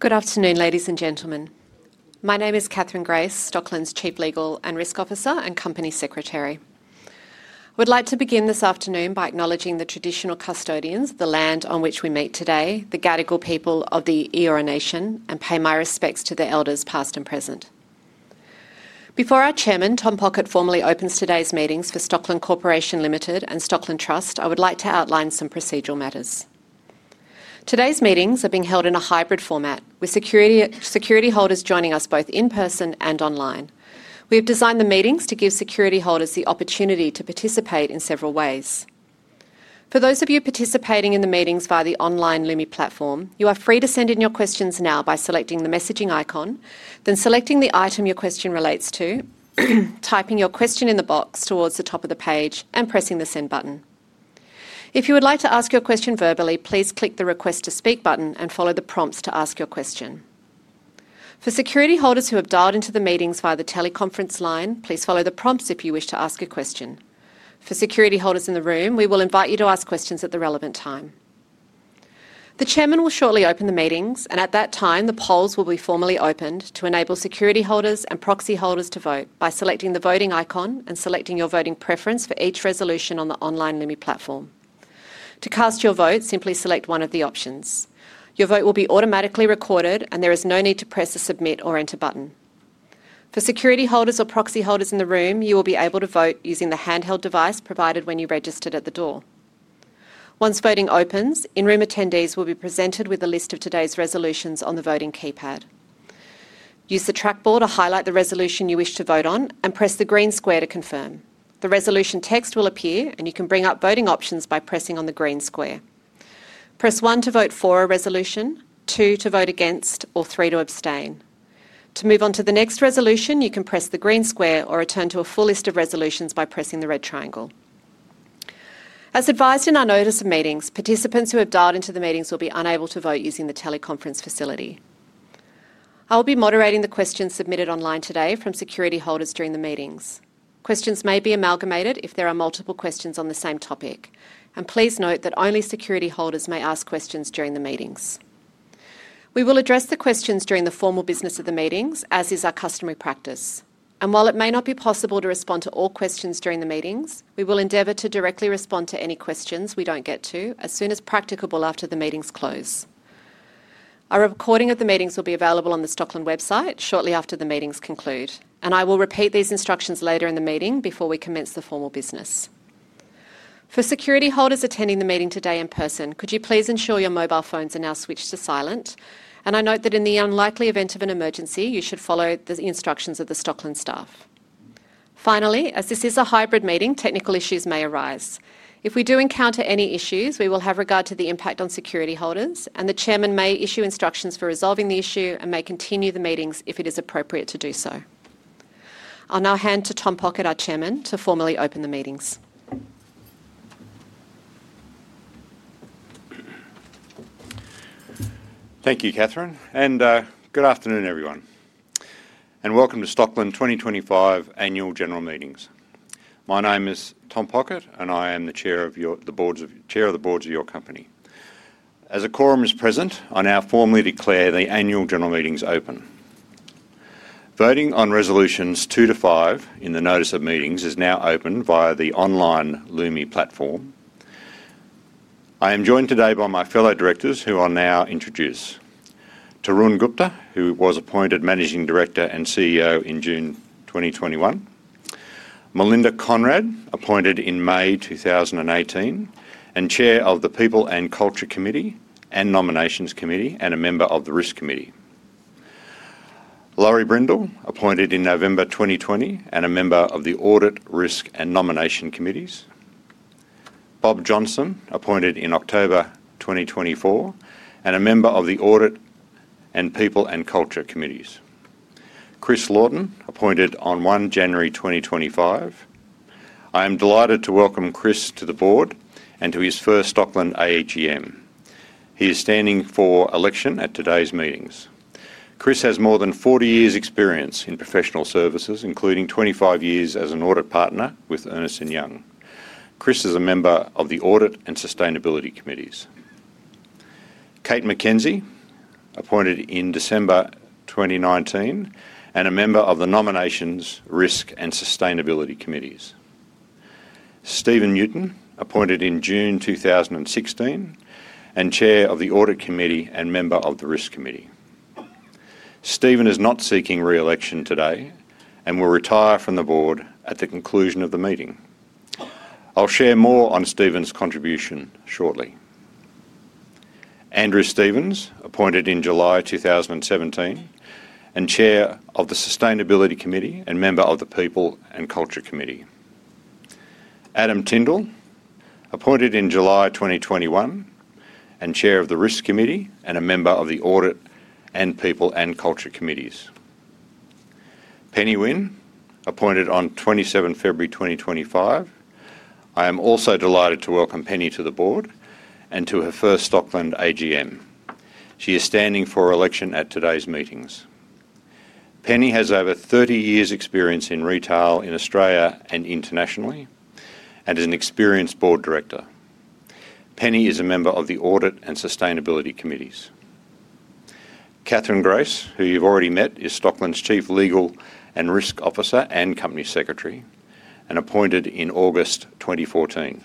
Good afternoon, ladies and gentlemen. My name is Katherine Grace, Stockland's Chief Legal and Risk Officer and Company Secretary. I would like to begin this afternoon by acknowledging the traditional custodians of the land on which we meet today, the Gadigal people of the Eora Nation, and pay my respects to their elders, past and present. Before our Chairman, Tom Pockett, formally opens today's meetings for Stockland Corp Ltd and Stockland Trust, I would like to outline some procedural matters. Today's meetings are being held in a hybrid format, with security holders joining us both in person and online. We have designed the meetings to give security holders the opportunity to participate in several ways. For those of you participating in the meetings via the online Lumi platform, you are free to send in your questions now by selecting the messaging icon, then selecting the item your question relates to, typing your question in the box towards the top of the page, and pressing the send button. If you would like to ask your question verbally, please click the request to speak button and follow the prompts to ask your question. For security holders who have dialed into the meetings via the teleconference line, please follow the prompts if you wish to ask a question. For security holders in the room, we will invite you to ask questions at the relevant time. The Chairman will shortly open the meetings, and at that time, the polls will be formally opened to enable security holders and proxy holders to vote by selecting the voting icon and selecting your voting preference for each resolution on the online Lumi platform. To cast your vote, simply select one of the options. Your vote will be automatically recorded, and there is no need to press the submit or enter button. For security holders or proxy holders in the room, you will be able to vote using the handheld device provided when you registered at the door. Once voting opens, in-room attendees will be presented with a list of today's resolutions on the voting keypad. Use the track board to highlight the resolution you wish to vote on and press the green square to confirm. The resolution text will appear, and you can bring up voting options by pressing on the green square. Press one to vote for a resolution, two to vote against, or three to abstain. To move on to the next resolution, you can press the green square or return to a full list of resolutions by pressing the red triangle. As advised in our notice of meetings, participants who have dialed into the meetings will be unable to vote using the teleconference facility. I will be moderating the questions submitted online today from security holders during the meetings. Questions may be amalgamated if there are multiple questions on the same topic, and please note that only security holders may ask questions during the meetings. We will address the questions during the formal business of the meetings, as is our customary practice, and while it may not be possible to respond to all questions during the meetings, we will endeavor to directly respond to any questions we don't get to as soon as practicable after the meetings close. A recording of the meetings will be available on the Stockland website shortly after the meetings conclude, and I will repeat these instructions later in the meeting before we commence the formal business. For security holders attending the meeting today in person, could you please ensure your mobile phones are now switched to silent, and I note that in the unlikely event of an emergency, you should follow the instructions of the Stockland staff. Finally, as this is a hybrid meeting, technical issues may arise. If we do encounter any issues, we will have regard to the impact on security holders, and the Chairman may issue instructions for resolving the issue and may continue the meetings if it is appropriate to do so. I'll now hand to Tom Pockett, our Chairman, to formally open the meetings. Thank you, Katherine, and good afternoon, everyone, and welcome to Stockland 2025 Annual General Meetings. My name is Tom Pockett, and I am the Chair of the Boards of your company. As a quorum is present, I now formally declare the Annual General Meetings open. Voting on resolutions two to five in the notice of meetings is now open via the online Lumi platform. I am joined today by my fellow directors, who I'll now introduce: Tarun Gupta, who was appointed Managing Director and CEO in June 2021; Melinda Conrad, appointed in May 2018 and Chair of the People and Culture Committee and Nominations Committee, and a member of the Risk Committee; Laurence Brindle, appointed in November 2020 and a member of the Audit, Risk, and Nomination Committees; Bob Johnston, appointed in October 2024 and a member of the Audit and People and Culture Committees; Chris Lawton, appointed on January 1, 2025. I am delighted to welcome Chris to the Board and to his first Stockland AGM. He is standing for election at today's meetings. Chris has more than 40 years experience in professional services, including 25 years as an audit partner with Ernst & Young. Chris is a member of the Audit and Sustainability Committees; Kate McKenzie, appointed in December 2019 and a member of the Nominations, Risk, and Sustainability Committees; Stephen Newton, appointed in June 2016 and Chair of the Audit Committee and member of the Risk Committee. Stephen is not seeking reelection today and will retire from the board at the conclusion of the meeting. I'll share more on Stephen's contribution shortly. Andrew Stevens, appointed in July 2017 and Chair of the Sustainability Committee and member of the People and Culture Committee; Adam Tindall, appointed in July 2021 and Chair of the Risk Committee and a member of the Audit and People and Culture Committees; Penny Winn, appointed on 27th February, 2025. I am also delighted to welcome Penny to the Board and to her first Stockland AGM. She is standing for election at today's meetings. Penny has over 30 years experience in retail in Australia and internationally and is an experienced Board Director. Penny is a member of the Audit and Sustainability Committees. Katherine Grace, who you've already met, is Stockland's Chief Legal and Risk Officer and Company Secretary and appointed in August 2014.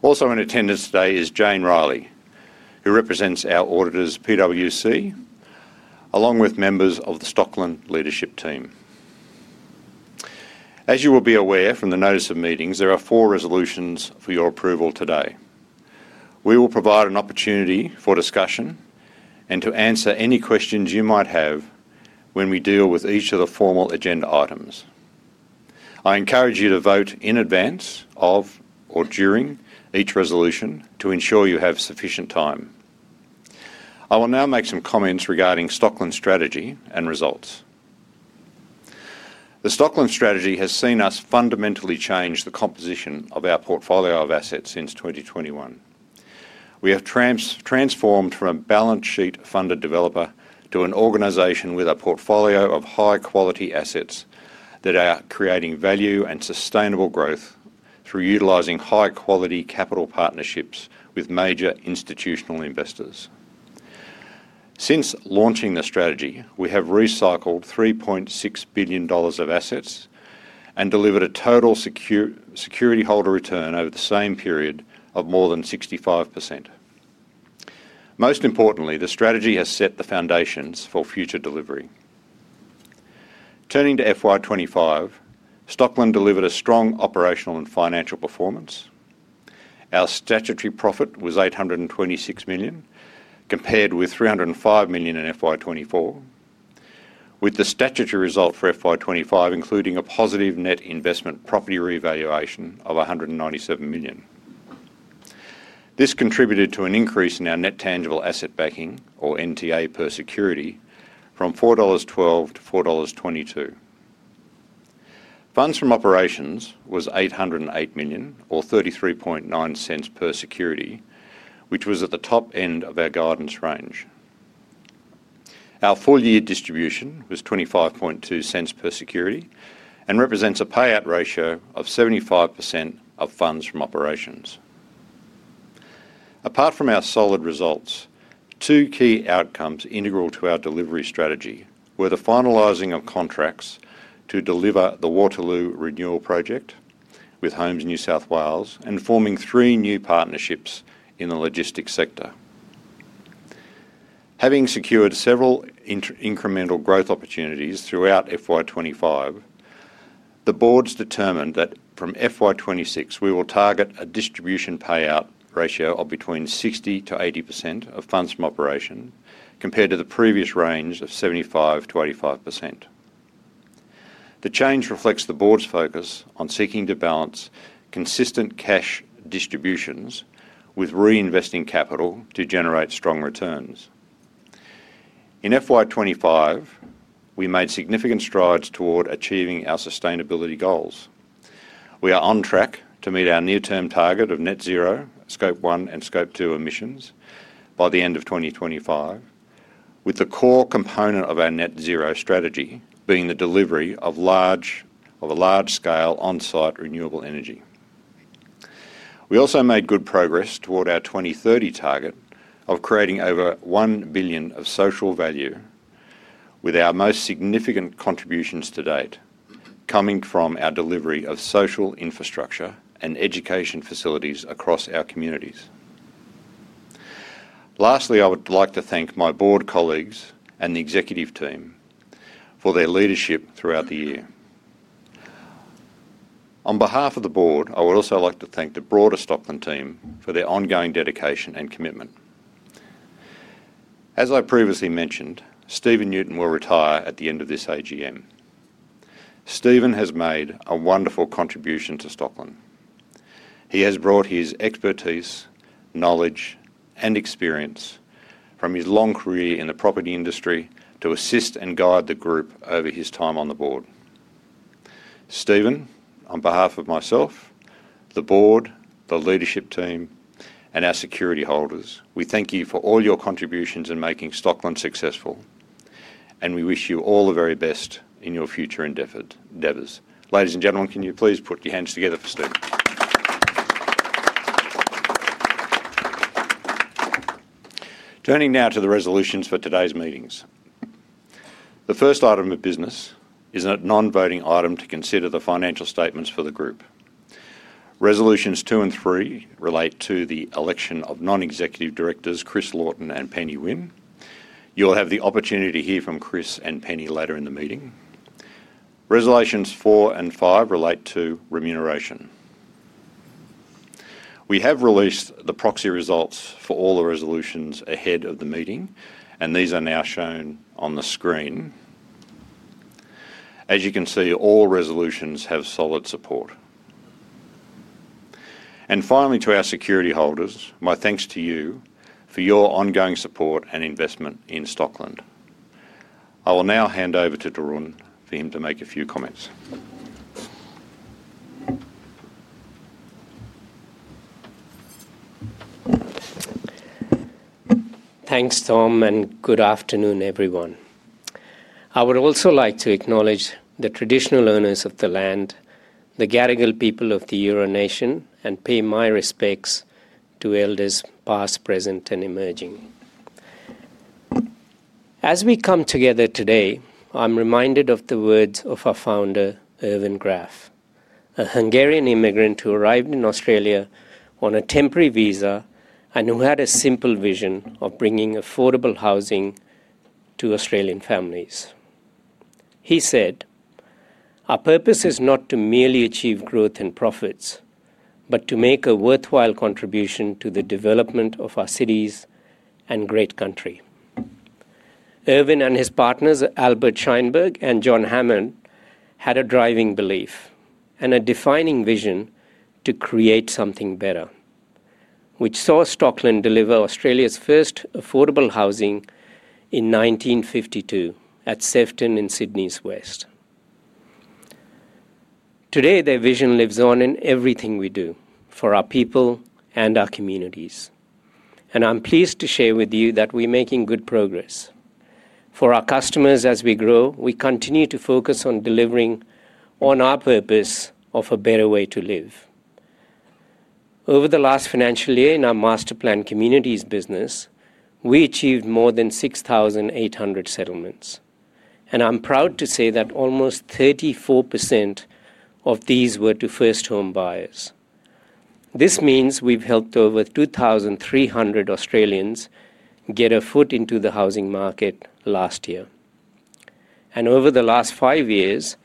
Also in attendance today is [Jane Riley], who represents our auditors, PwC, along with members of the Stockland Leadership Team. As you will be aware from the notice of meetings, there are four resolutions for your approval today. We will provide an opportunity for discussion and to answer any questions you might have when we deal with each of the formal agenda items. I encourage you to vote in advance of or during each resolution to ensure you have sufficient time. I will now make some comments regarding Stockland's strategy and results. The Stockland strategy has seen us fundamentally change the composition of our portfolio of assets since 2021. We have transformed from a balance sheet-funded developer to an organization with a portfolio of high-quality assets that are creating value and sustainable growth through utilizing high-quality capital partnerships with major institutional investors. Since launching the strategy, we have recycled $3.6 billion of assets and delivered a total security holder return over the same period of more than 65%. Most importantly, the strategy has set the foundations for future delivery. Turning to FY 2025, Stockland delivered a strong operational and financial performance. Our statutory profit was $826 million, compared with $305 million in FY 2024, with the statutory result for FY 2025 including a positive net investment property revaluation of $197 million. This contributed to an increase in our net tangible asset backing, or NTA per security, from $4.12 to $4.22. Funds from operations was $808 million, or $0.339 per security, which was at the top end of our guidance range. Our full-year distribution was $0.252 per security and represents a payout ratio of 75% of funds from operations. Apart from our solid results, two key outcomes integral to our delivery strategy were the finalizing of contracts to deliver the Waterloo renewal project with Homes New South Wales and forming three new partnerships in the logistics sector. Having secured several incremental growth opportunities throughout FY 2025, the Board's determined that from FY 2026, we will target a distribution payout ratio of between 60%-80% of funds from operations, compared to the previous range of 75%-85%. The change reflects the board's focus on seeking to balance consistent cash distributions with reinvesting capital to generate strong returns. In FY 2025, we made significant strides toward achieving our sustainability goals. We are on track to meet our near-term target of net zero Scope 1 and Scope 2 emissions by the end of 2025, with the core component of our Net zero strategy being the delivery of large-scale on-site renewable energy. We also made good progress toward our 2030 target of creating over $1 billion of social value, with our most significant contributions to date coming from our delivery of social infrastructure and education facilities across our communities. Lastly, I would like to thank my Board colleagues and the Executive team for their leadership throughout the year. On behalf of the Board, I would also like to thank the broader Stockland team for their ongoing dedication and commitment. As I previously mentioned, Stephen Newton will retire at the end of this AGM. Stephen has made a wonderful contribution to Stockland. He has brought his expertise, knowledge, and experience from his long career in the property industry to assist and guide the group over his time on the Board. Stephen, on behalf of myself, the Board, the Leadership team, and our Security holders, we thank you for all your contributions in making Stockland successful, and we wish you all the very best in your future endeavors. Ladies and gentlemen, can you please put your hands together for Stephen? Turning now to the resolutions for today's meetings. The first item of business is a non-voting item to consider the financial statements for the group. Resolutions two and three relate to the election of Non-Executive Directors, Chris Lawton and Penny Winn. You'll have the opportunity to hear from Chris and Penny later in the meeting. Resolutions 4 and 5 relate to remuneration. We have released the proxy results for all the resolutions ahead of the meeting, and these are now shown on the screen. As you can see, all resolutions have solid support. Finally, to our security holders, my thanks to you for your ongoing support and investment in Stockland. I will now hand over to Tarun for him to make a few comments. Thanks, Tom, and good afternoon, everyone. I would also like to acknowledge the traditional owners of the land, the Gadigal people of the Eora Nation, and pay my respects to elders past, present, and emerging. As we come together today, I'm reminded of the words of our founder, Ervin Graf, a Hungarian immigrant who arrived in Australia on a temporary visa and who had a simple vision of bringing affordable housing to Australian families. He said, "Our purpose is not to merely achieve growth and profits, but to make a worthwhile contribution to the development of our cities and great country." Ervin and his partners, Albert Scheinberg and John Hammond, had a driving belief and a defining vision to create something better, which saw Stockland deliver Australia's first affordable housing in 1952 at Sefton in Sydney's West. Today, their vision lives on in everything we do for our people and our communities, and I'm pleased to share with you that we're making good progress. For our customers, as we grow, we continue to focus on delivering on our purpose of a better way to live. Over the last financial year, in our masterplanned communities business, we achieved more than 6,800 settlements, and I'm proud to say that almost 34% of these were to first home buyers. This means we've helped over 2,300 Australians get a foot into the housing market last year, and over the last five years,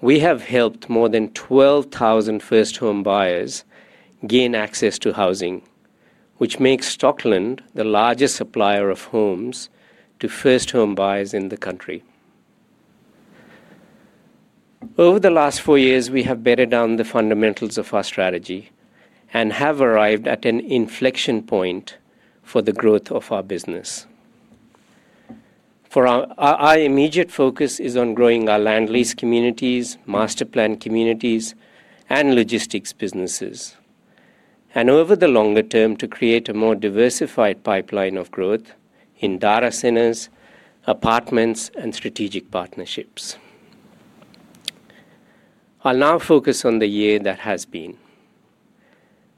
we have helped more than 12,000 first home buyers gain access to housing, which makes Stockland the largest supplier of homes to first home buyers in the country. Over the last four years, we have bedded down the fundamentals of our strategy and have arrived at an inflection point for the growth of our business. Our immediate focus is on growing our land lease communities, masterplanned communities, and logistics businesses, and over the longer term, to create a more diversified pipeline of growth in data centers, apartments, and strategic partnerships. I'll now focus on the year that has been.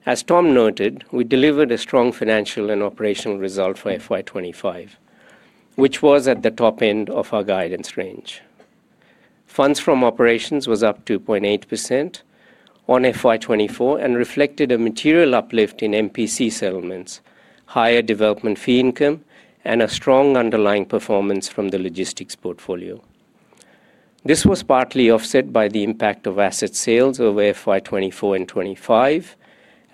As Tom noted, we delivered a strong financial and operational result for FY 2025, which was at the top end of our guidance range. Funds from operations was up 2.8% on FY 2024 and reflected a material uplift in MPC settlements, higher development fee income, and a strong underlying performance from the logistics portfolio. This was partly offset by the impact of asset sales over FY 2024 and FY 2025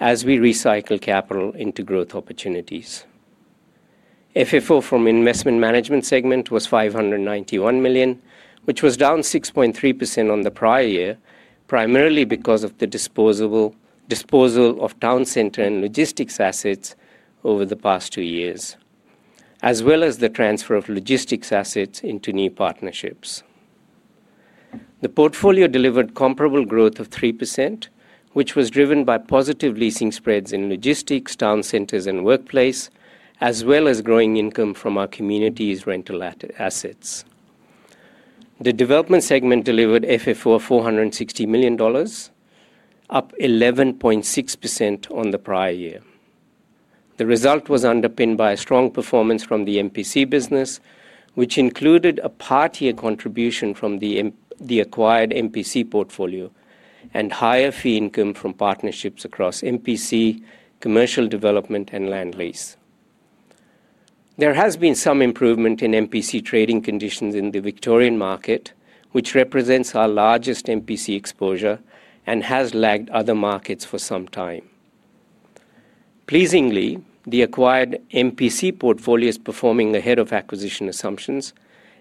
as we recycle capital into growth opportunities. FFO from investment management segment was $591 million, which was down 6.3% on the prior year, primarily because of the disposal of town center and logistics assets over the past two years, as well as the transfer of logistics assets into new partnerships. The portfolio delivered comparable growth of 3%, which was driven by positive leasing spreads in logistics, town centers, and workplace, as well as growing income from our communities' rental assets. The development segment delivered FFO $460 million, up 11.6% on the prior year. The result was underpinned by a strong performance from the MPC business, which included a part-year contribution from the acquired MPC portfolio and higher fee income from partnerships across MPC, commercial development, and land lease. There has been some improvement in MPC trading conditions in the Victorian market, which represents our largest MPC exposure and has lagged other markets for some time. Pleasingly, the acquired MPC portfolio is performing ahead of acquisition assumptions,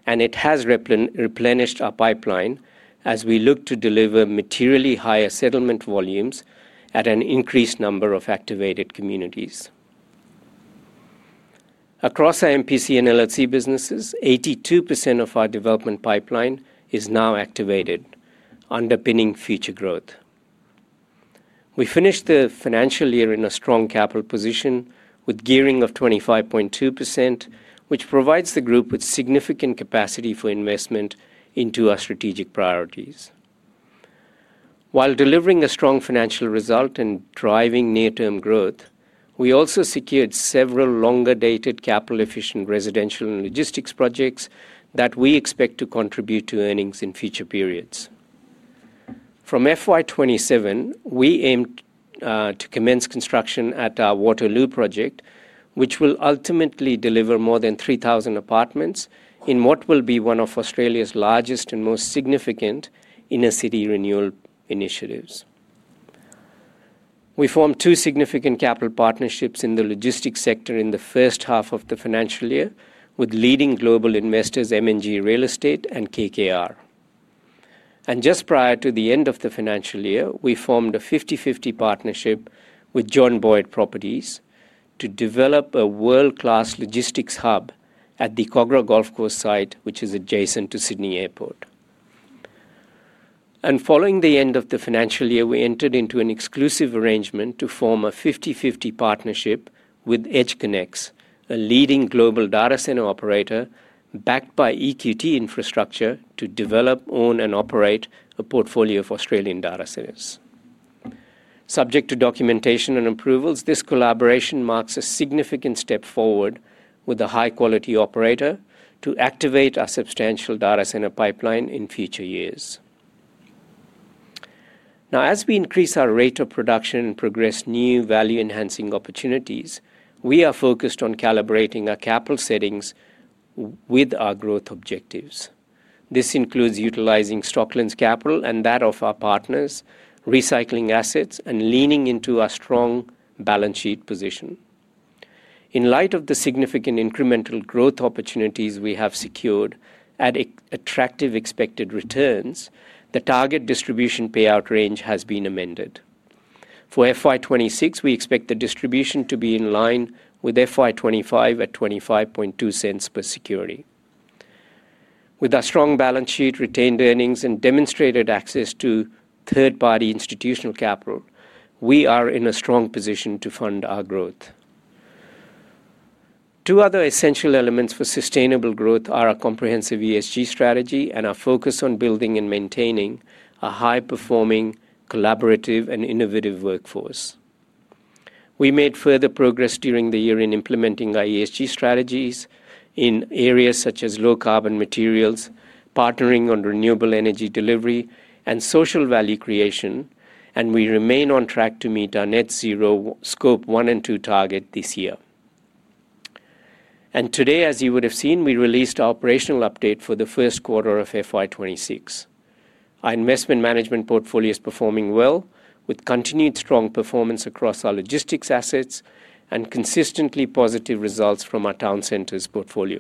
and it has replenished our pipeline as we look to deliver materially higher settlement volumes at an increased number of activated communities. Across our MPC and LLC businesses, 82% of our development pipeline is now activated, underpinning future growth. We finished the financial year in a strong capital position with gearing of 25.2%, which provides the group with significant capacity for investment into our strategic priorities. While delivering a strong financial result and driving near-term growth, we also secured several longer-dated capital-efficient residential and logistics projects that we expect to contribute to earnings in future periods. From FY 2027, we aimed to commence construction at our Waterloo project, which will ultimately deliver more than 3,000 apartments in what will be one of Australia's largest and most significant inner-city renewal initiatives. We formed two significant capital partnerships in the logistics sector in the first half of the financial year, with leading global investors, M&G Real Estate and KKR. Just prior to the end of the financial year, we formed a 50/50 partnership with John Boyd Properties to develop a world-class logistics hub at the Kogarah Golf Course site, which is adjacent to Sydney Airport. Following the end of the financial year, we entered into an exclusive arrangement to form a 50/50 partnership with EdgeConneX, a leading global data center operator backed by EQT Infrastructure, to develop, own, and operate a portfolio of Australian data centers. Subject to documentation and approvals, this collaboration marks a significant step forward with a high-quality operator to activate our substantial data center pipeline in future years. As we increase our rate of production and progress new value-enhancing opportunities, we are focused on calibrating our capital settings with our growth objectives. This includes utilizing Stockland's capital and that of our partners, recycling assets, and leaning into our strong balance sheet position. In light of the significant incremental growth opportunities we have secured at attractive expected returns, the target distribution payout range has been amended. For FY 2026, we expect the distribution to be in line with FY 2025 at $0.252 per security. With our strong balance sheet, retained earnings, and demonstrated access to third-party institutional capital, we are in a strong position to fund our growth. Two other essential elements for sustainable growth are our comprehensive ESG strategy and our focus on building and maintaining a high-performing, collaborative, and innovative workforce. We made further progress during the year in implementing our ESG strategies in areas such as low-carbon materials, partnering on renewable energy delivery, and social value creation, and we remain on track to meet our net zero Scope 1 and 2 target this year. Today, as you would have seen, we released our operational update for the first quarter of FY 2026. Our investment management portfolio is performing well, with continued strong performance across our logistics assets and consistently positive results from our town centers portfolio.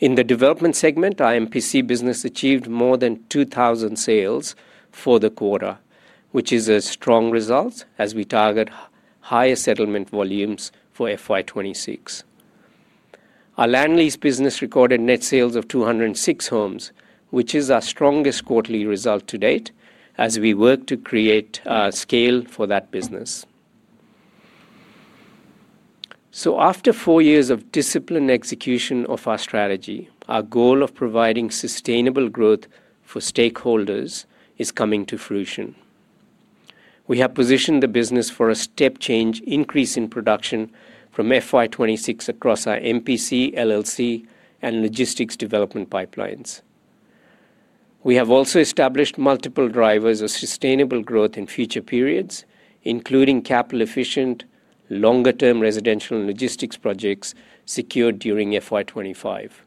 In the development segment, our MPC business achieved more than 2,000 sales for the quarter, which is a strong result as we target higher settlement volumes for FY 2026. Our land lease business recorded net sales of 206 homes, which is our strongest quarterly result to date, as we work to create scale for that business. After four years of disciplined execution of our strategy, our goal of providing sustainable growth for stakeholders is coming to fruition. We have positioned the business for a step change increase in production from FY 2026 across our MPC, LLC, and logistics development pipelines. We have also established multiple drivers of sustainable growth in future periods, including capital-efficient, longer-term residential and logistics projects secured during FY 2025.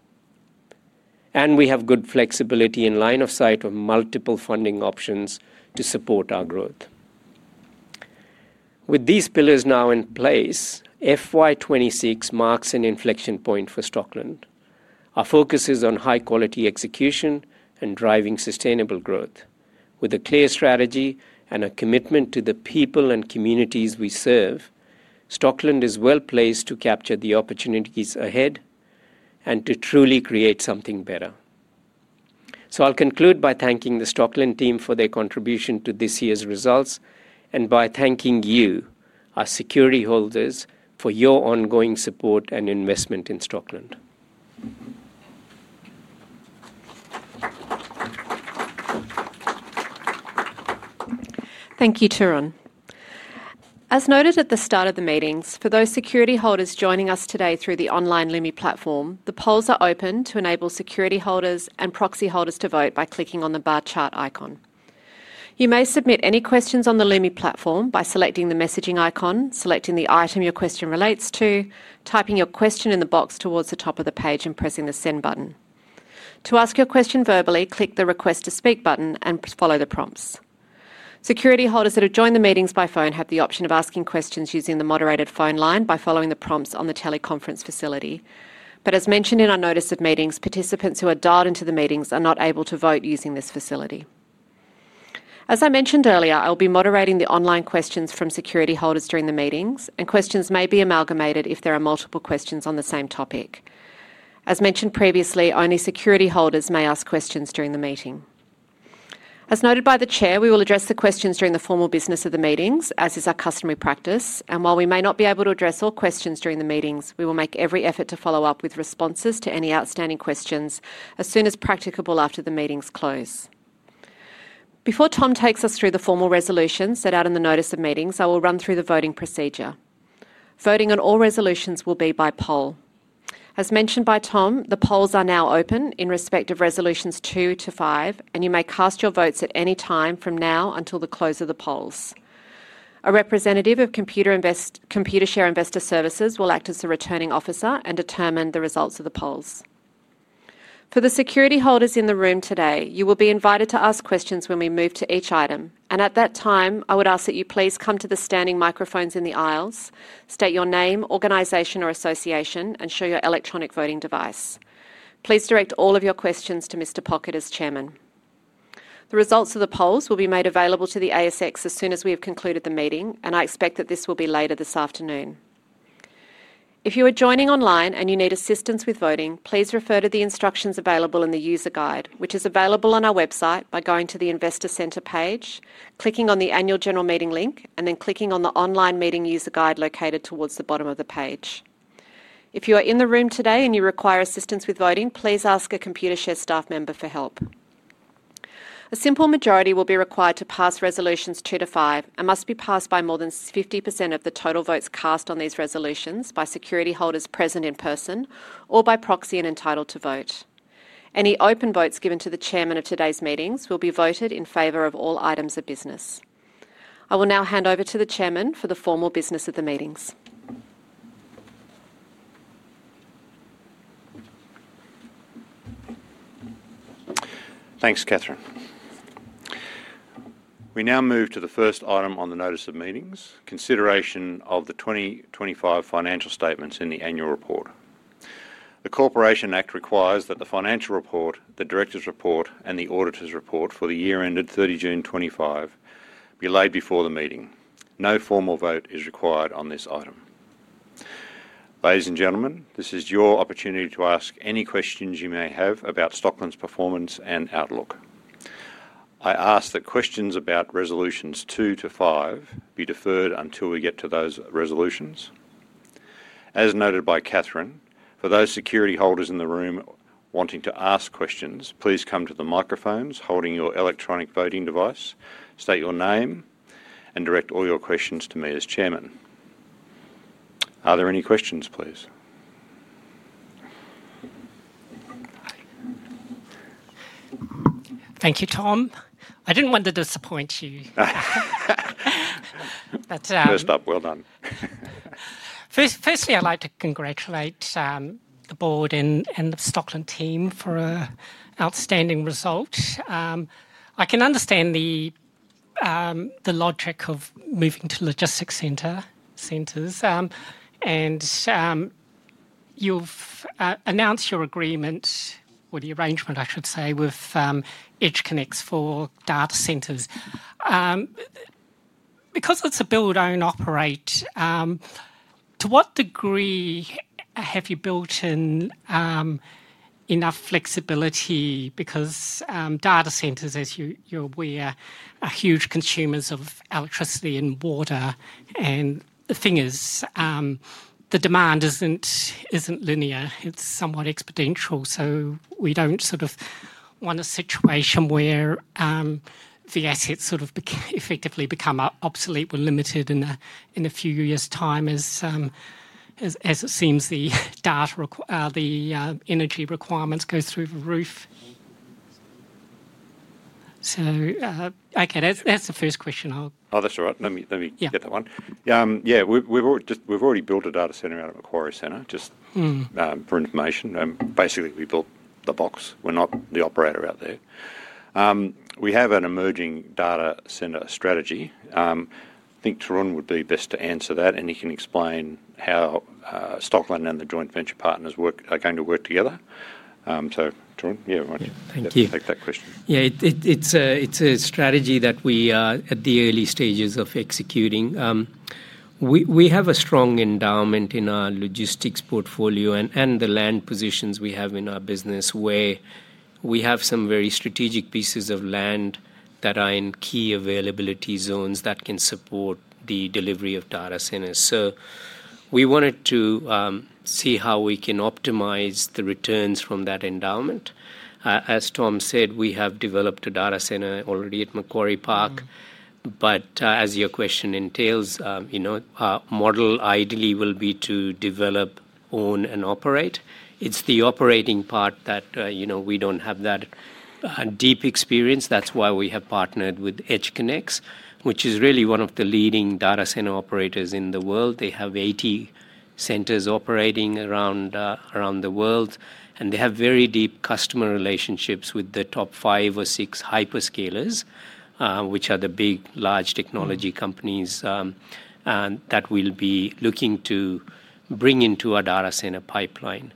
We have good flexibility in line of sight of multiple funding options to support our growth. With these pillars now in place, FY 2026 marks an inflection point for Stockland. Our focus is on high-quality execution and driving sustainable growth. With a clear strategy and a commitment to the people and communities we serve, Stockland is well placed to capture the opportunities ahead and to truly create something better. I'll conclude by thanking the Stockland team for their contribution to this year's results and by thanking you, our security holders, for your ongoing support and investment in Stockland. Thank you, Tarun. As noted at the start of the meetings, for those security holders joining us today through the online Lumi platform, the polls are open to enable security holders and proxy holders to vote by clicking on the bar chart icon. You may submit any questions on the Lumi platform by selecting the messaging icon, selecting the item your question relates to, typing your question in the box towards the top of the page, and pressing the send button. To ask your question verbally, click the request to speak button and follow the prompts. Security holders that have joined the meetings by phone have the option of asking questions using the moderated phone line by following the prompts on the teleconference facility. As mentioned in our notice of meetings, participants who are dialed into the meetings are not able to vote using this facility. As I mentioned earlier, I'll be moderating the online questions from security holders during the meetings, and questions may be amalgamated if there are multiple questions on the same topic. As mentioned previously, only security holders may ask questions during the meeting. As noted by the Chair, we will address the questions during the formal business of the meetings, as is our customary practice, and while we may not be able to address all questions during the meetings, we will make every effort to follow up with responses to any outstanding questions as soon as practicable after the meetings close. Before Tom takes us through the formal resolutions set out in the notice of meetings, I will run through the voting procedure. Voting on all resolutions will be by poll. As mentioned by Tom, the polls are now open in respect of resolutions two to five, and you may cast your votes at any time from now until the close of the polls. A representative of Computershare Investor Services will act as a returning officer and determine the results of the polls. For the security holders in the room today, you will be invited to ask questions when we move to each item, and at that time, I would ask that you please come to the standing microphones in the aisles, state your name, organization, or association, and show your electronic voting device. Please direct all of your questions to Mr. Pockett as Chairman. The results of the polls will be made available to the ASX as soon as we have concluded the meeting, and I expect that this will be later this afternoon. If you are joining online and you need assistance with voting, please refer to the instructions available in the user guide, which is available on our website by going to the Investor Centre page, clicking on the Annual General Meting link, and then clicking on the online meeting user guide located towards the bottom of the page. If you are in the room today and you require assistance with voting, please ask a Computershare staff member for help. A simple majority will be required to pass resolutions two to five and must be passed by more than 50% of the total votes cast on these resolutions by security holders present in person or by proxy and entitled to vote. Any open votes given to the Chairman of today's meetings will be voted in favor of all items of business. I will now hand over to the Chairman for the formal business of the meetings. Thanks, Katherine. We now move to the first item on the notice of meetings, consideration of the 2025 Financial Statements in the Annual Report. The Corporations Act requires that the financial report, the Directors' Report, and the Auditor's Report for the year ended 30th June 2025 be laid before the meeting. No formal vote is required on this item. Ladies and gentlemen, this is your opportunity to ask any questions you may have about Stockland's performance and outlook. I ask that questions about resolutions two to five be deferred until we get to those resolutions. As noted by Katherine, for those security holders in the room wanting to ask questions, please come to the microphones holding your electronic voting device, state your name, and direct all your questions to me as Chairman. Are there any questions, please? Thank you, Tom. I didn't want to disappoint you. First up, well done. Firstly, I'd like to congratulate the Board and the Stockland team for an outstanding result. I can understand the logic of moving to logistics centers and you've announced your agreement, or the arrangement, I should say, with EdgeConneX for data centers. Because it's a build, own, operate, to what degree have you built in enough flexibility? Because data centers, as you're aware, are huge consumers of electricity and water, and the thing is, the demand isn't linear. It's somewhat exponential. We don't want a situation where the assets effectively become obsolete or we're limited in a few years' time, as it seems the data or the energy requirements go through the roof. That's the first question. Oh, that's all right. Let me get that one. We've already built a data center out at Macquarie Centre, just for information. Basically, we built the box. We're not the operator out there. We have an emerging data center strategy. I think Tarun would be best to answer that, and he can explain how Stockland and the joint venture partners are going to work together. Tarun, why don't you take that question? Yeah, it's a strategy that we are at the early stages of executing. We have a strong endowment in our logistics portfolio and the land positions we have in our business, where we have some very strategic pieces of land that are in key availability zones that can support the delivery of data centers. We wanted to see how we can optimize the returns from that endowment. As Tom said, we have developed a data center already at Macquarie Park, but as your question entails, you know, our model ideally will be to develop, own, and operate. It's the operating part that, you know, we don't have that deep experience. That's why we have partnered with EdgeConneX, which is really one of the leading data center operators in the world. They have 80 centers operating around the world, and they have very deep customer relationships with the top five or six hyperscalers, which are the big, large technology companies that we'll be looking to bring into our data center pipeline.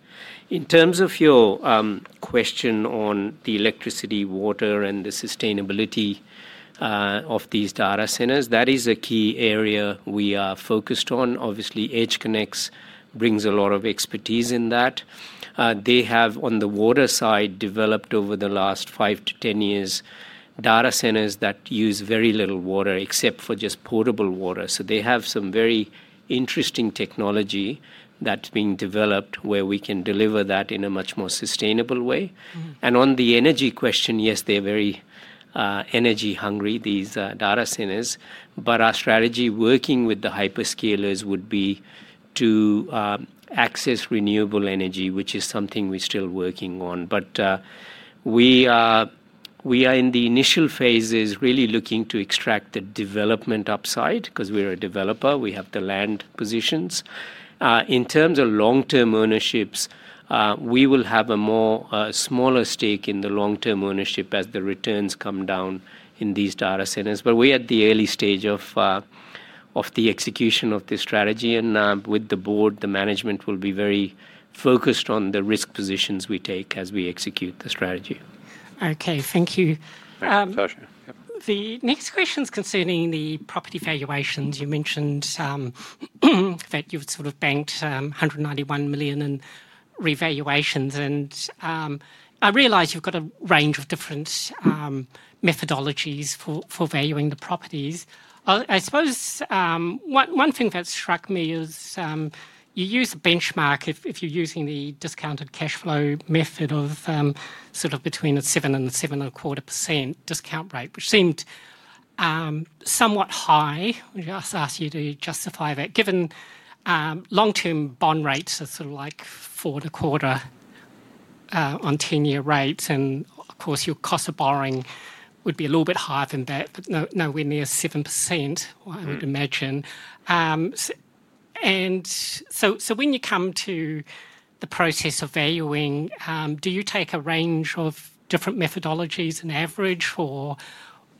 In terms of your question on the electricity, water, and the sustainability of these data centers, that is a key area we are focused on. Obviously, EdgeConneX brings a lot of expertise in that. They have, on the water side, developed over the last five to 10 years data centers that use very little water except for just potable water. They have some very interesting technology that's being developed where we can deliver that in a much more sustainable way. On the energy question, yes, they're very energy hungry, these data centers, but our strategy working with the hyperscalers would be to access renewable energy, which is something we're still working on. We are in the initial phases really looking to extract the development upside because we're a developer. We have the land positions. In terms of long-term ownerships, we will have a more smaller stake in the long-term ownership as the returns come down in these data centers. We are at the early stage of the execution of this strategy, and with the Board, the Management will be very focused on the risk positions we take as we execute the strategy. Okay, thank you. The next question is concerning the property valuations. You mentioned that you've sort of banked $191 million in revaluations, and I realize you've got a range of different methodologies for valuing the properties. I suppose one thing that struck me is you use a benchmark if you're using the discounted cash flow method of sort of between a 7% and 7.25% discount rate, which seemed somewhat high. I asked you to justify that given long-term bond rates are sort of like 4.25% on 10-year rates, and of course your cost of borrowing would be a little bit higher than that, but nowhere near 7%, I would imagine. When you come to the process of valuing, do you take a range of different methodologies and average?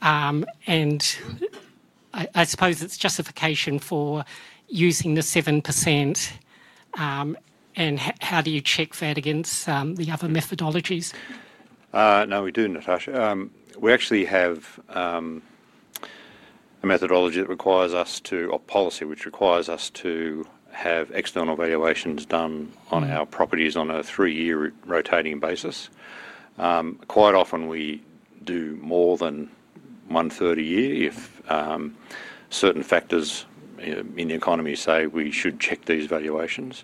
I suppose it's justification for using the 7%, and how do you check that against the other methodologies? No, we do, Natasha. We actually have a methodology that requires us to, or policy, which requires us to have external valuations done on our properties on a three-year rotating basis. Quite often we do more than one third a year if certain factors in the economy say we should check these valuations.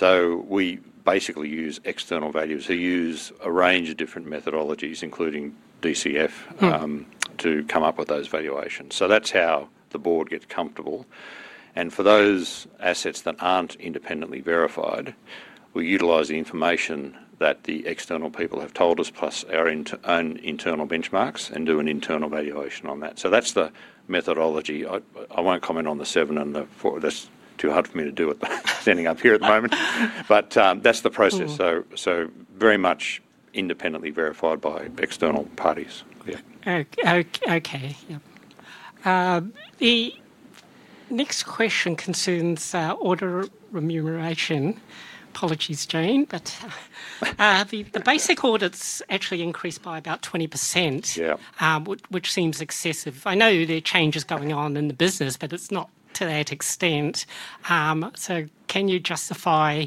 We basically use external values. We use a range of different methodologies, including DCF, to come up with those valuations. That's how the board gets comfortable. For those assets that aren't independently verified, we utilize the information that the external people have told us, plus our own internal benchmarks, and do an internal valuation on that. That's the methodology. I won't comment on the seven and the four. That's too hard for me to do it standing up here at the moment. That's the process. Very much independently verified by external parties. Okay, yeah. The next question concerns auditor remuneration. Apologies, Jane, but the basic audits actually increased by about 20%, which seems excessive. I know there are changes going on in the business, but it's not to that extent. Can you justify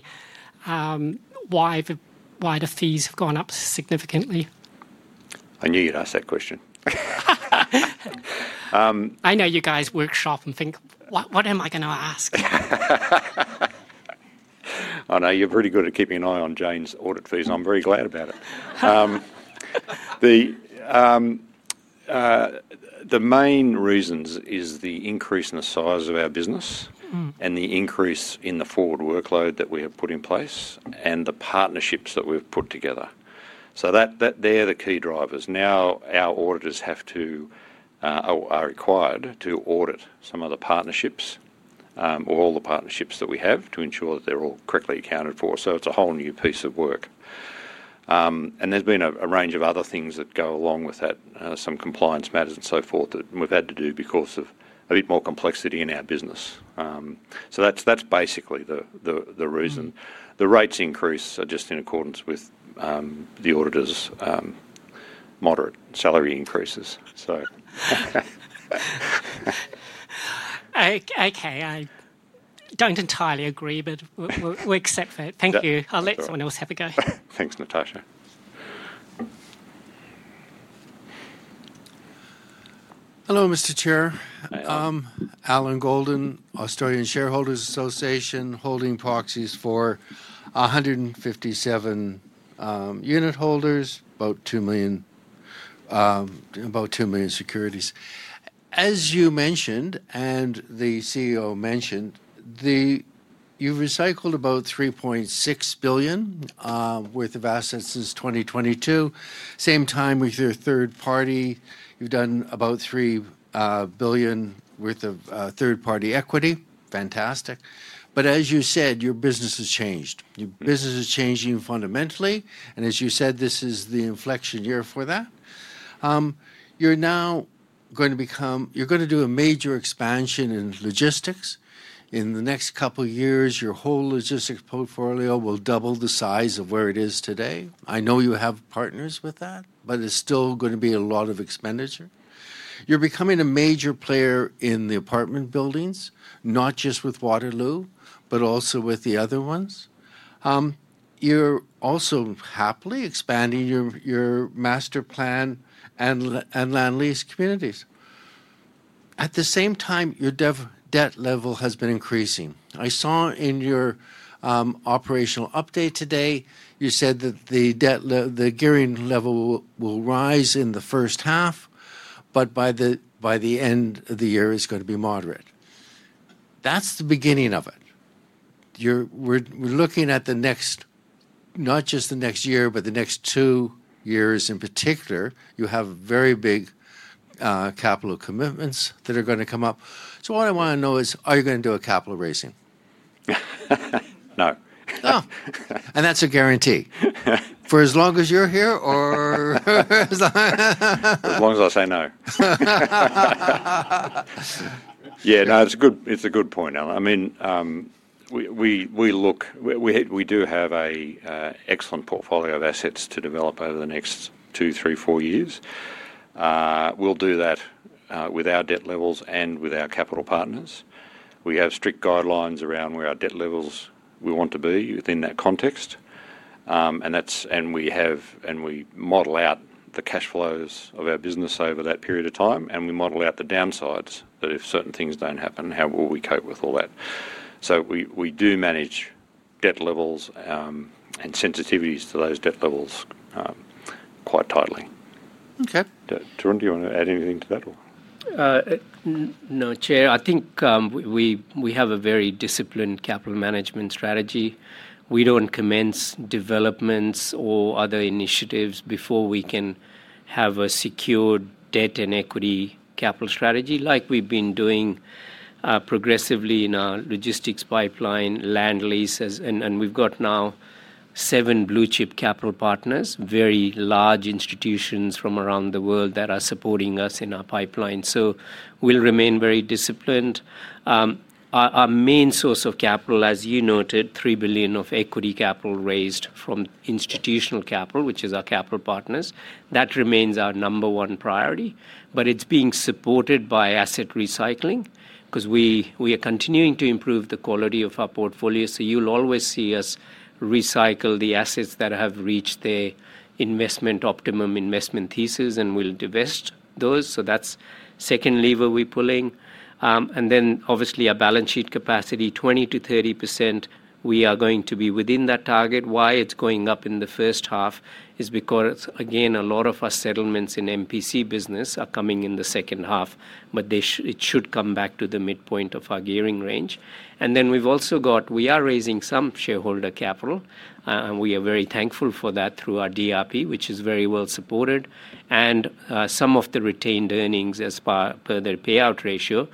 why the fees have gone up significantly? I knew you'd ask that question. I know you guys workshop and think, what am I going to ask? I know you're pretty good at keeping an eye on Jane's audit fees. I'm very glad about it. The main reasons are the increase in the size of our business and the increase in the forward workload that we have put in place and the partnerships that we've put together. They're the key drivers. Now our auditors have to, or are required to, audit some of the partnerships or all the partnerships that we have to ensure that they're all correctly accounted for. It's a whole new piece of work. There's been a range of other things that go along with that, some compliance matters and so forth that we've had to do because of a bit more complexity in our business. That's basically the reason. The rates increase is just in accordance with the auditors' moderate salary increases. Okay, I don't entirely agree, but we'll accept that. Thank you. I'll let someone else have a go. Thanks, Natasha. Hello, Mr. Chair. Alan Golden, Australian Shareholders Association, holding proxies for 157 unit holders, about 2 million securities. As you mentioned and the CEO mentioned, you've recycled about $3.6 billion worth of assets since 2022. At the same time with your third party, you've done about $3 billion worth of third party equity. Fantastic. As you said, your business has changed. Your business is changing fundamentally, and as you said, this is the inflection year for that. You're now going to become, you're going to do a major expansion in logistics. In the next couple of years, your whole logistics portfolio will double the size of where it is today. I know you have partners with that, but it's still going to be a lot of expenditure. You're becoming a major player in the apartment buildings, not just with Waterloo, but also with the other ones. You're also happily expanding your masterplan and land lease communities. At the same time, your debt level has been increasing. I saw in your operational update today, you said that the debt, the gearing level will rise in the first half, but by the end of the year, it's going to be moderate. That's the beginning of it. We're looking at the next, not just the next year, but the next two years in particular. You have very big capital commitments that are going to come up. What I want to know is, are you going to do a capital raising? No. No. Is that a guarantee for as long as you're here or as long? No, it's a good point, Alan. I mean, we do have an excellent portfolio of assets to develop over the next two, three, four years. We'll do that with our debt levels and with our capital partners. We have strict guidelines around where our debt levels we want to be within that context. We model out the cash flows of our business over that period of time, and we model out the downsides that if certain things don't happen, how will we cope with all that? We do manage debt levels and sensitivities to those debt levels quite tightly. Tarun, do you want to add anything to that? No, Chair. I think we have a very disciplined capital management strategy. We don't commence developments or other initiatives before we can have a secured debt and equity capital strategy like we've been doing progressively in our logistics pipeline, land leases. We've got now seven blue-chip capital partners, very large institutions from around the world that are supporting us in our pipeline. We'll remain very disciplined. Our main source of capital, as you noted, $3 billion of equity capital raised from institutional capital, which is our capital partners, that remains our number one priority. It's being supported by asset recycling because we are continuing to improve the quality of our portfolio. You'll always see us recycle the assets that have reached their optimum investment thesis, and we'll divest those. That's the second lever we're pulling. Obviously, our balance sheet capacity, 20%-30%, we are going to be within that target. Why it's going up in the first half is because, again, a lot of our settlements in the MPC are coming in the second half, but it should come back to the midpoint of our gearing range. We've also got, we are raising some shareholder capital, and we are very thankful for that through our DRP, which is very well supported, and some of the retained earnings as per their payout ratio.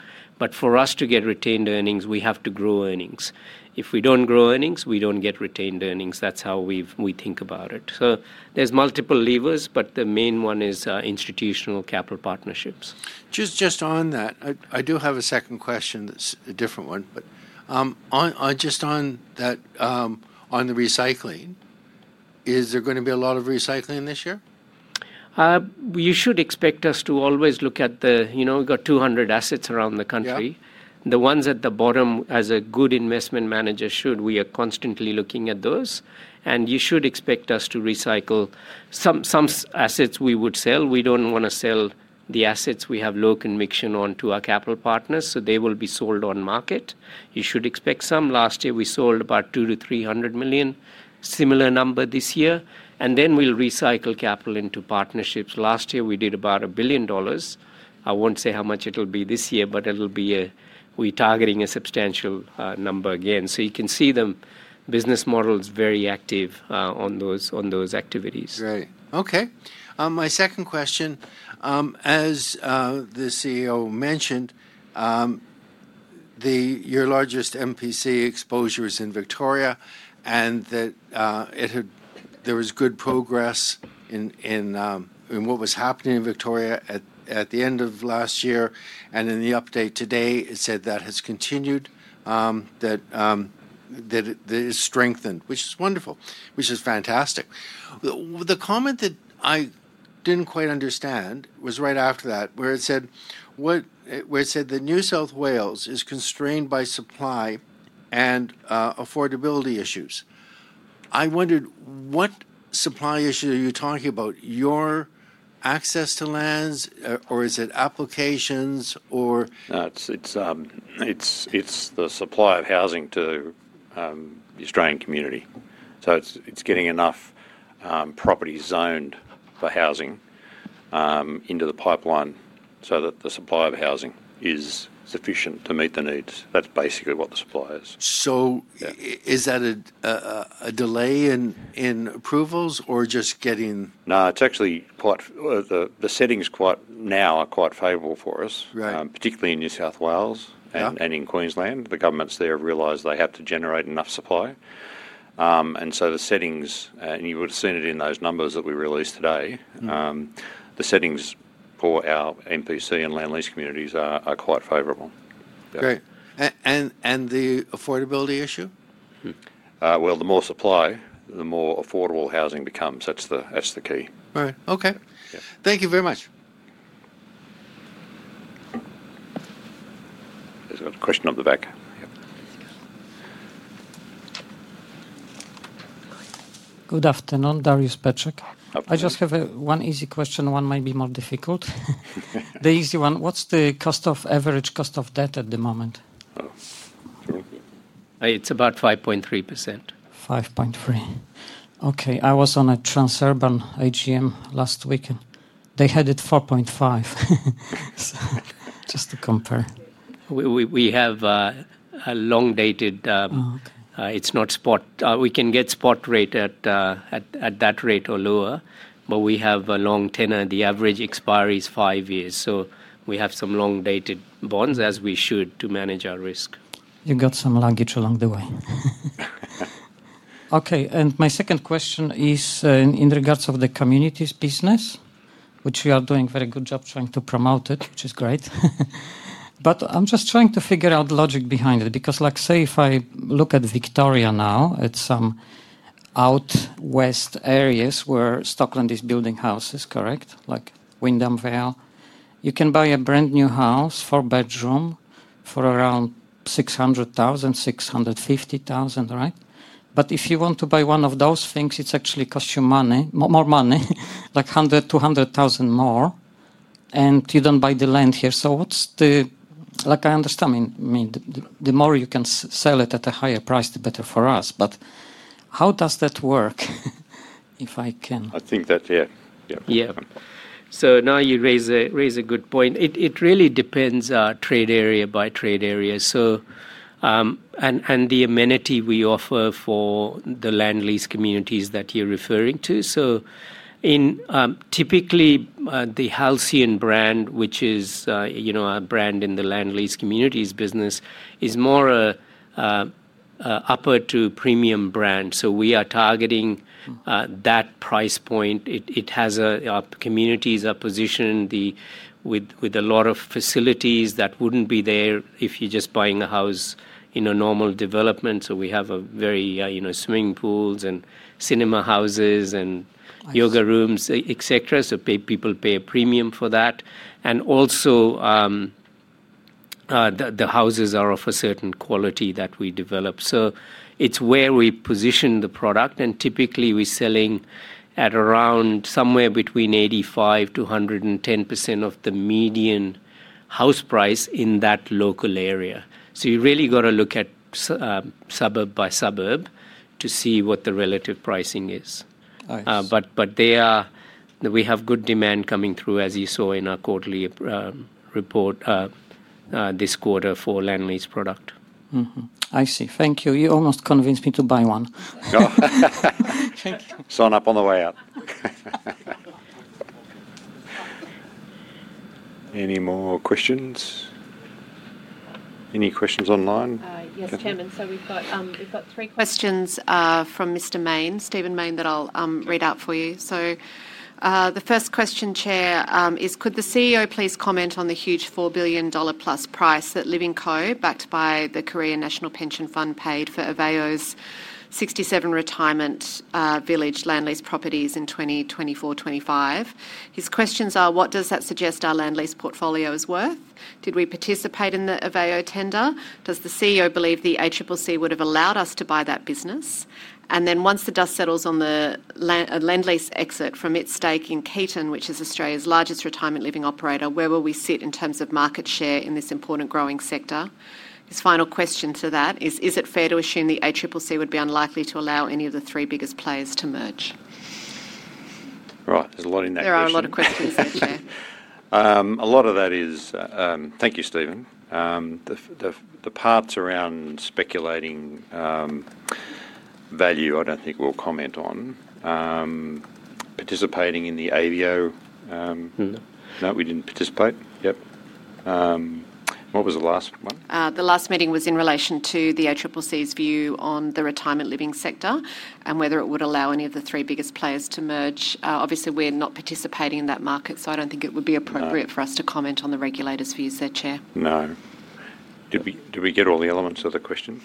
For us to get retained earnings, we have to grow earnings. If we don't grow earnings, we don't get retained earnings. That's how we think about it. There are multiple levers, but the main one is institutional capital partnerships. Just on that, I do have a second question, a different one. Just on that, on the asset recycling, is there going to be a lot of recycling this year? You should expect us to always look at the, you know, we've got 200 assets around the country. The ones at the bottom, as a good investment manager should, we are constantly looking at those. You should expect us to recycle some assets we would sell. We don't want to sell the assets we have low conviction on to our capital partners, so they will be sold on market. You should expect some. Last year, we sold about $200 million-$300 million, similar number this year. We'll recycle capital into partnerships. Last year, we did about $1 billion. I won't say how much it'll be this year, but we're targeting a substantial number again. You can see the business model's very active on those activities. Right. Okay. My second question, as the CEO mentioned, your largest MPC exposure is in Victoria, and that there was good progress in what was happening in Victoria at the end of last year. In the update today, it said that has continued, that it's strengthened, which is wonderful, which is fantastic. The comment that I didn't quite understand was right after that, where it said that New South Wales is constrained by supply and affordability issues. I wondered, what supply issues are you talking about? Your access to land, or is it applications, or? No, it's the supply of housing to the Australian community. It's getting enough properties zoned for housing into the pipeline so that the supply of housing is sufficient to meet the needs. That's basically what the supply is. Is that a delay in approvals or just getting? No, it's actually quite, the settings now are quite favorable for us, particularly in New South Wales and in Queensland. The governments there have realized they have to generate enough supply. The settings, and you would have seen it in those numbers that we released today, the settings for our MPC and land lease communities are quite favorable. Okay. The affordability issue? The more supply, the more affordable housing becomes. That's the key. All right. Okay. Thank you very much. There's a question on the back. Good afternoon, [Darius Petschek.] I just have one easy question. One might be more difficult. The easy one, what's the average cost of debt at the moment? It's about 5.3%. 5.3%. Okay. I was on a Transurban AGM last weekend. They had it at 4.5% just to compare. We have a long-dated, it's not spot. We can get spot rate at that rate or lower, but we have a long tenure. The average expiry is five years. We have some long-dated bonds as we should to manage our risk. You got some luggage along the way. Okay. My second question is in regards to the communities business, which we are doing a very good job trying to promote, which is great. I'm just trying to figure out the logic behind it because, like, if I look at Victoria now, it's some out west areas where Stockland is building houses, correct? Like Wyndham Vale. You can buy a brand new house, four-bedroom, for around $600,000, $650,000, right? If you want to buy one of those things, it actually costs you more money, like $100,000, $200,000 more. You don't buy the land here. What's the, like, I understand, I mean, the more you can sell it at a higher price, the better for us. How does that work? If I can. I think that, yeah. Yeah, you raise a good point. It really depends on trade area by trade area and the amenity we offer for the land lease communities that you're referring to. Typically, the Halcyon brand, which is a brand in the land lease communities business, is more upper to premium brand. We are targeting that price point. It has our communities positioned with a lot of facilities that wouldn't be there if you're just buying a house in a normal development. We have swimming pools and cinema houses and yoga rooms, etc. People pay a premium for that. Also, the houses are of a certain quality that we develop. It's where we position the product. Typically, we're selling at around somewhere between 85%-110% of the median house price in that local area. You really got to look at suburb-by-suburb to see what the relative pricing is. We have good demand coming through, as you saw in our quarterly report this quarter for land lease product. I see. Thank you. You almost convinced me to buy one. Sign up on the way out. Any more questions? Any questions online? Yes, Chairman. We've got three questions from Mr. [Main], [Stephen Main], that I'll read out for you. The first question, Chair, is could the CEO please comment on the huge $4 billion+ price that Living Co, backed by the Korea National Pension Fund, paid for Aveo's 67 retirement village land lease properties in 2024, 2025? His questions are, what does that suggest our land lease portfolio is worth? Did we participate in the [AVEO tender]? Does the CEO believe the ACCC would have allowed us to buy that business? Once the dust settles on the land lease exit from its stake in Caton, which is Australia's largest retirement living operator, where will we sit in terms of market share in this important growing sector? His final question to that is, is it fair to assume the ACCC would be unlikely to allow any of the three biggest players to merge? Right. There's a lot in that question. There are a lot of questions there, Chair. A lot of that is, thank you, Stephen. The parts around speculating value, I don't think we'll comment on. Participating in the AVEO, no, we didn't participate. Yep. What was the last one? The last meeting was in relation to the ACCC's view on the retirement living sector and whether it would allow any of the three biggest players to merge. Obviously, we're not participating in that market, so I don't think it would be appropriate for us to comment on the regulator's views there, Chair. Did we get all the elements of the question?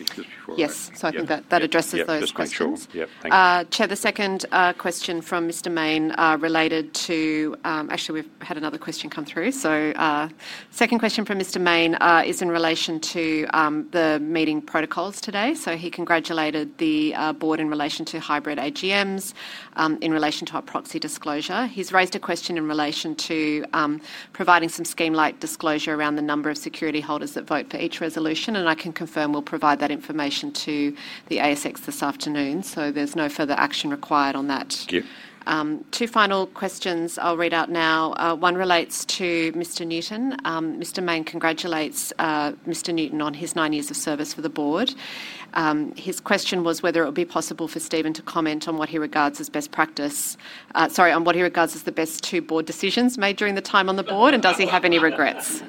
Yes, I think that addresses those questions. Yes, thank you. Chair, the second question from Mr. Main related to, actually, we've had another question come through. The second question from Mr. Main is in relation to the meeting protocols today. He congratulated the Board in relation to hybrid AGMs in relation to our proxy disclosure. He's raised a question in relation to providing some scheme-like disclosure around the number of security holders that vote for each resolution, and I can confirm we'll provide that information to the ASX this afternoon. There's no further action required on that. Thank you. Two final questions I'll read out now. One relates to Mr. Newton. Mr. Main congratulates Mr. Newton on his nine years of service for the Board. His question was whether it would be possible for Stephen to comment on what he regards as best practice, on what he regards as the best two Board decisions made during the time on the Board, and does he have any regrets?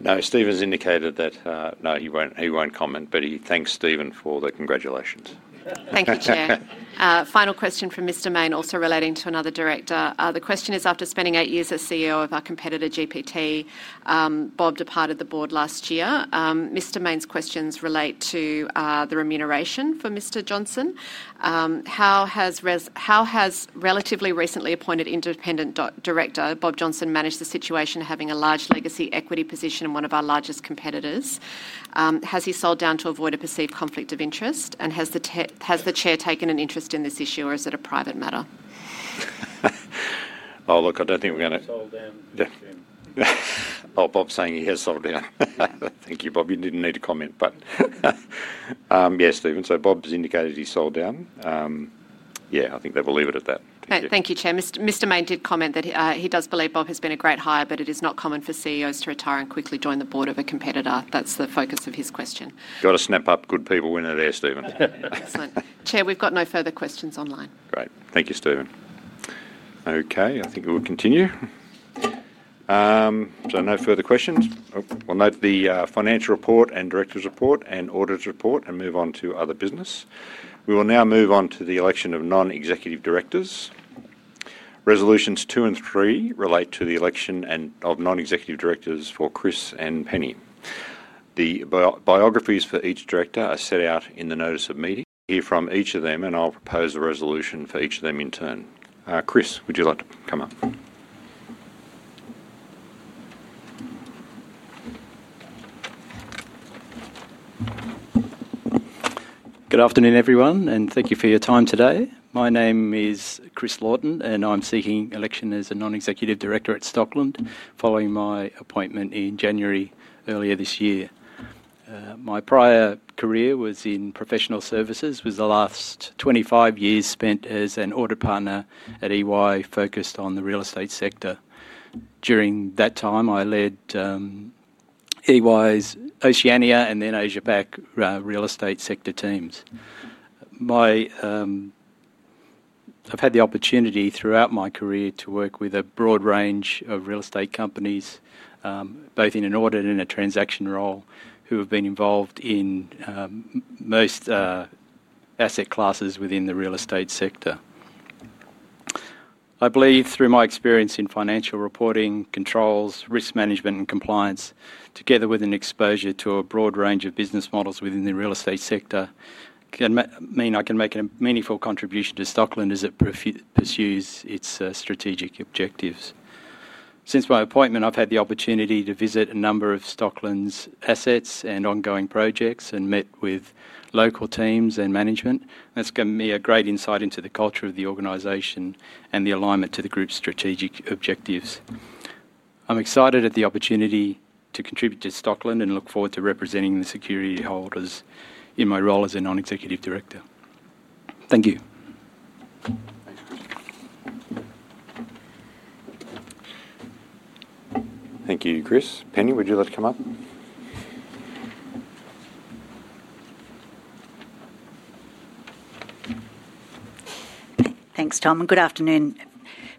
No, Stephen's indicated that no, he won't comment, but he thanks Stephen for the congratulations. Thank you, Chair. Final question from Mr. Main, also relating to another director. The question is, after spending eight years as CEO of our competitor GPT, Bob departed the board last year. Mr. Main's questions relate to the remuneration for Mr. Johnston. How has relatively recently appointed independent director, Bob Johnston, managed the situation of having a large legacy equity position in one of our largest competitors? Has he sold down to avoid a perceived conflict of interest, and has the Chair taken an interest in this issue, or is it a private matter? Oh, look, I don't think we're going to... Oh, Bob's saying he has sold down. Thank you, Bob. You didn't need to comment, but yes, Stephen. Bob's indicated he sold down. I think they will leave it at that. Thank you, Chair. Mr. Main did comment that he does believe Bob has been a great hire, but it is not common for CEOs to retire and quickly join the board of a competitor. That's the focus of his question. You've got to snap up good people when they're there, Stephen. Excellent. Chair, we've got no further questions online. Great. Thank you, Stephen. Okay, I think we'll continue. No further questions. We'll note the Financial Report and Director's Report and Auditors' Report and move on to other business. We will now move on to the election of Non-Executive Directors. Resolutions two and three relate to the election of Non-Executive Directors for Chris and Penny. The biographies for each director are set out in the notice of meeting. I'll hear from each of them, and I'll propose a resolution for each of them in turn. Chris, would you like to come up? Good afternoon, everyone, and thank you for your time today. My name is Chris Lawton, and I'm seeking election as a Non-Executive Director at Stockland following my appointment in January earlier this year. My prior career was in professional services, with the last 25 years spent as an audit partner at EY, focused on the real estate sector. During that time, I led EY's Oceania and then Asia Pac real estate sector teams. I've had the opportunity throughout my career to work with a broad range of real estate companies, both in an audit and a transaction role, who have been involved in most asset classes within the real estate sector. I believe through my experience in financial reporting, controls, risk management, and compliance, together with an exposure to a broad range of business models within the real estate sector, I can make a meaningful contribution to Stockland as it pursues its strategic objectives. Since my appointment, I've had the opportunity to visit a number of Stockland's assets and ongoing projects and met with local teams and management. That's given me a great insight into the culture of the organization and the alignment to the group's strategic objectives. I'm excited at the opportunity to contribute to Stockland and look forward to representing the security holders in my role as a Non-Executive Director. Thank you. Thank you, Chris. Penny, would you like to come up? Thanks, Tom, and good afternoon,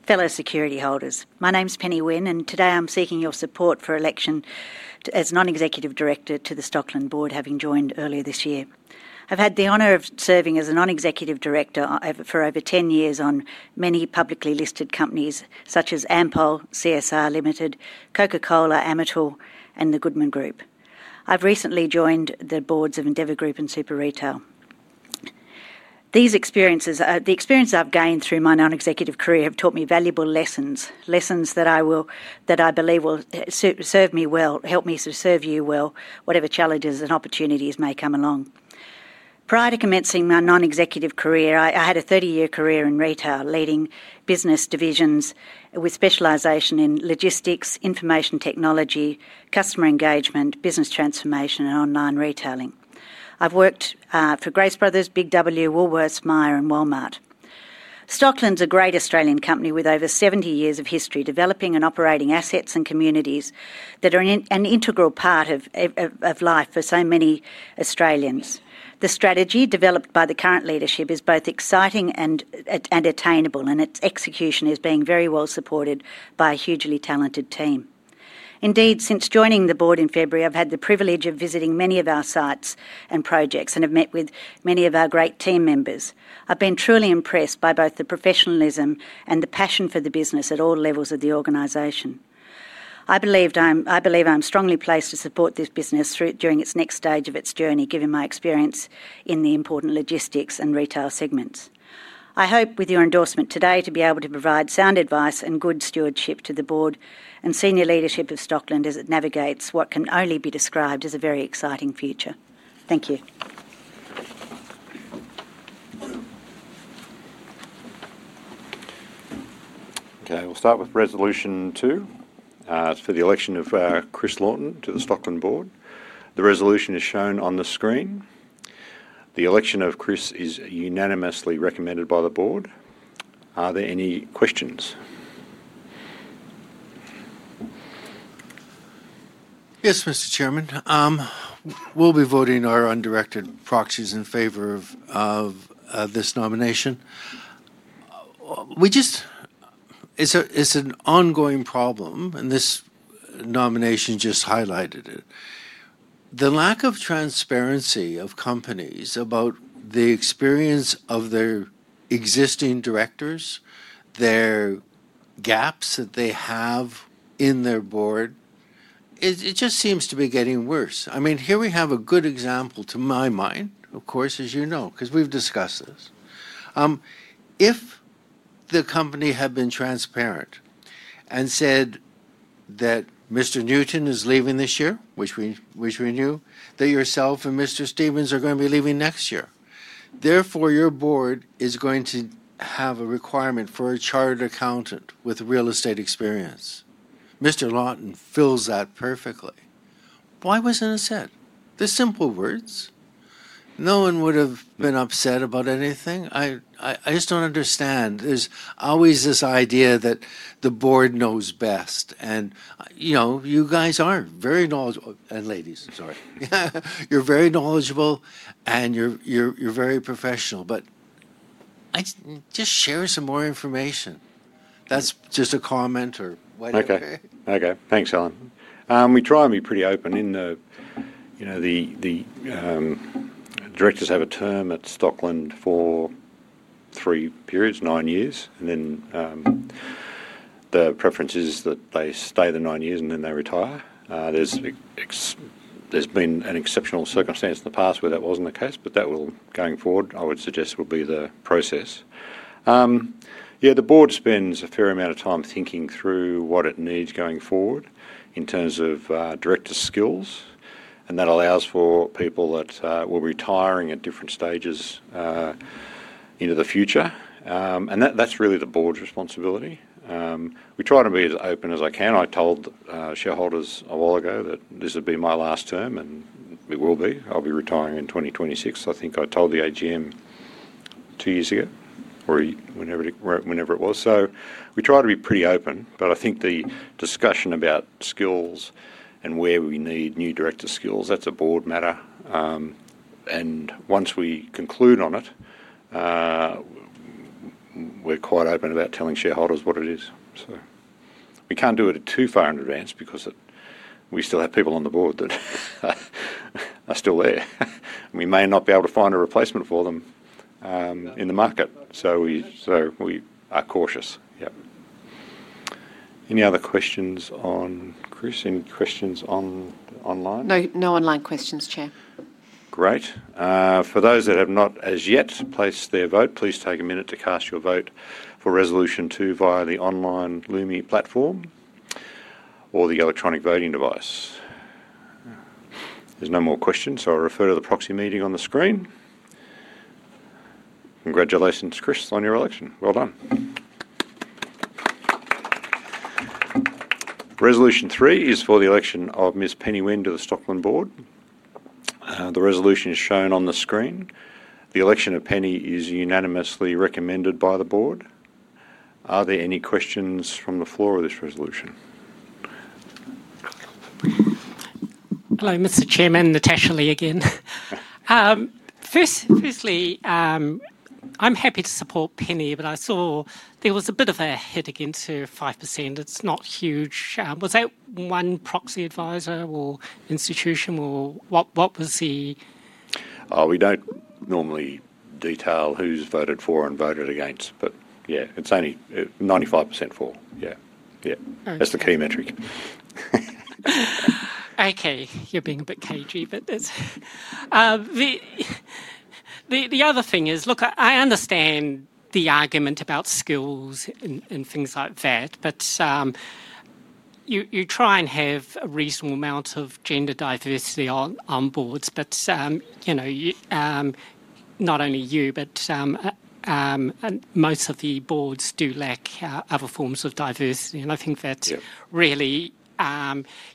fellow security holders. My name's Penny Winn, and today I'm seeking your support for election as Non-Executive Director to the Stockland Board, having joined earlier this year. I've had the honor of serving as a Non-Executive Director for over 10 years on many publicly listed companies such as Ampol, CSR Ltd, Coca-Cola Amatil, and the Goodman Group. I've recently joined the Boards of Endeavour Group and Super Retail. The experiences I've gained through my non-executive career have taught me valuable lessons, lessons that I believe will serve me well, help me serve you well, whatever challenges and opportunities may come along. Prior to commencing my non-executive career, I had a 30-year career in retail, leading business divisions with specialization in logistics, information technology, customer engagement, business transformation, and online retailing. I've worked for Grace Bros, Big W, Woolworths, Myer, and Walmart. Stockland's a great Australian company with over 70 years of history developing and operating assets and communities that are an integral part of life for so many Australians. The strategy developed by the current leadership is both exciting and attainable, and its execution is being very well supported by a hugely talented team. Indeed, since joining the board in February, I've had the privilege of visiting many of our sites and projects and have met with many of our great team members. I've been truly impressed by both the professionalism and the passion for the business at all levels of the organization. I believe I'm strongly placed to support this business during its next stage of its journey, given my experience in the important logistics and retail segments. I hope with your endorsement today to be able to provide sound advice and good stewardship to the Board and senior leadership of Stockland as it navigates what can only be described as a very exciting future. Thank you. Okay, we'll start with Resolution 2. It's for the election of Chris Lawton to the Stockland Board. The resolution is shown on the screen. The election of Chris is unanimously recommended by the Board. Are there any questions? Yes, Mr. Chairman. We'll be voting our own directed proxies in favor of this nomination. It's an ongoing problem, and this nomination just highlighted it. The lack of transparency of companies about the experience of their existing directors, their gaps that they have in their Board, it just seems to be getting worse. I mean, here we have a good example to my mind, of course, as you know, because we've discussed this. If the company had been transparent and said that Mr. Newton is leaving this year, which we knew, that yourself and Mr. StevenB are going to be leaving next year, therefore your board is going to have a requirement for a chartered accountant with real estate experience. Mr. Lawton fills that perfectly. Why wasn't it said? The simple words. No one would have been upset about anything. I just don't understand. There's always this idea that the Board knows best, and you know, you guys are very knowledgeable, and ladies, I'm sorry. You're very knowledgeable, and you're very professional, but just share some more information. That's just a comment or whatever. Okay, thanks Alan. We try and be pretty open in the, you know, the directors have a term at Stockland for three periods, nine years, and then the preference is that they stay the nine years and then they retire. There's been an exceptional circumstance in the past where that wasn't the case, but that will, going forward, I would suggest it would be the process. The Board spends a fair amount of time thinking through what it needs going forward in terms of director skills, and that allows for people that will be retiring at different stages into the future, and that's really the Board's responsibility. We try to be as open as I can. I told shareholders a while ago that this would be my last term, and it will be. I'll be retiring in 2026, I think I told the AGM two years ago or whenever it was. We try to be pretty open, but I think the discussion about skills and where we need new director skills, that's a Board matter, and once we conclude on it, we're quite open about telling shareholders what it is. We can't do it too far in advance because we still have people on the Board that are still there. We may not be able to find a replacement for them in the market, so we are cautious. Any other questions on Chris? Any questions online? No, no online questions, Chair. Great. For those that have not as yet placed their vote, please take a minute to cast your vote for resolution two via the online Lumi platform or the electronic voting device. There's no more questions, so I'll refer to the proxy meeting on the screen. Congratulations, Chris, on your election. Well done. Resolution 3 is for the election of Ms. Penny Winn to the Stockland Board. The resolution is shown on the screen. The election of Penny is unanimously recommended by the Board. Are there any questions from the floor of this resolution? Hello, Mr. Chairman, Natasha Lee again. Firstly, I'm happy to support Penny, but I saw there was a bit of a hit against her, 5%. It's not huge. Was that one proxy advisor or institution, or what was the... We don't normally detail who's voted for and voted against, but yeah, it's only 95% for. Yeah, yeah. That's the key metric. Okay, you're being a bit cagey, but the other thing is, look, I understand the argument about skills and things like that. You try and have a reasonable amount of gender diversity on boards, but you know, not only you, but most of the Boards do lack other forms of diversity, and I think that really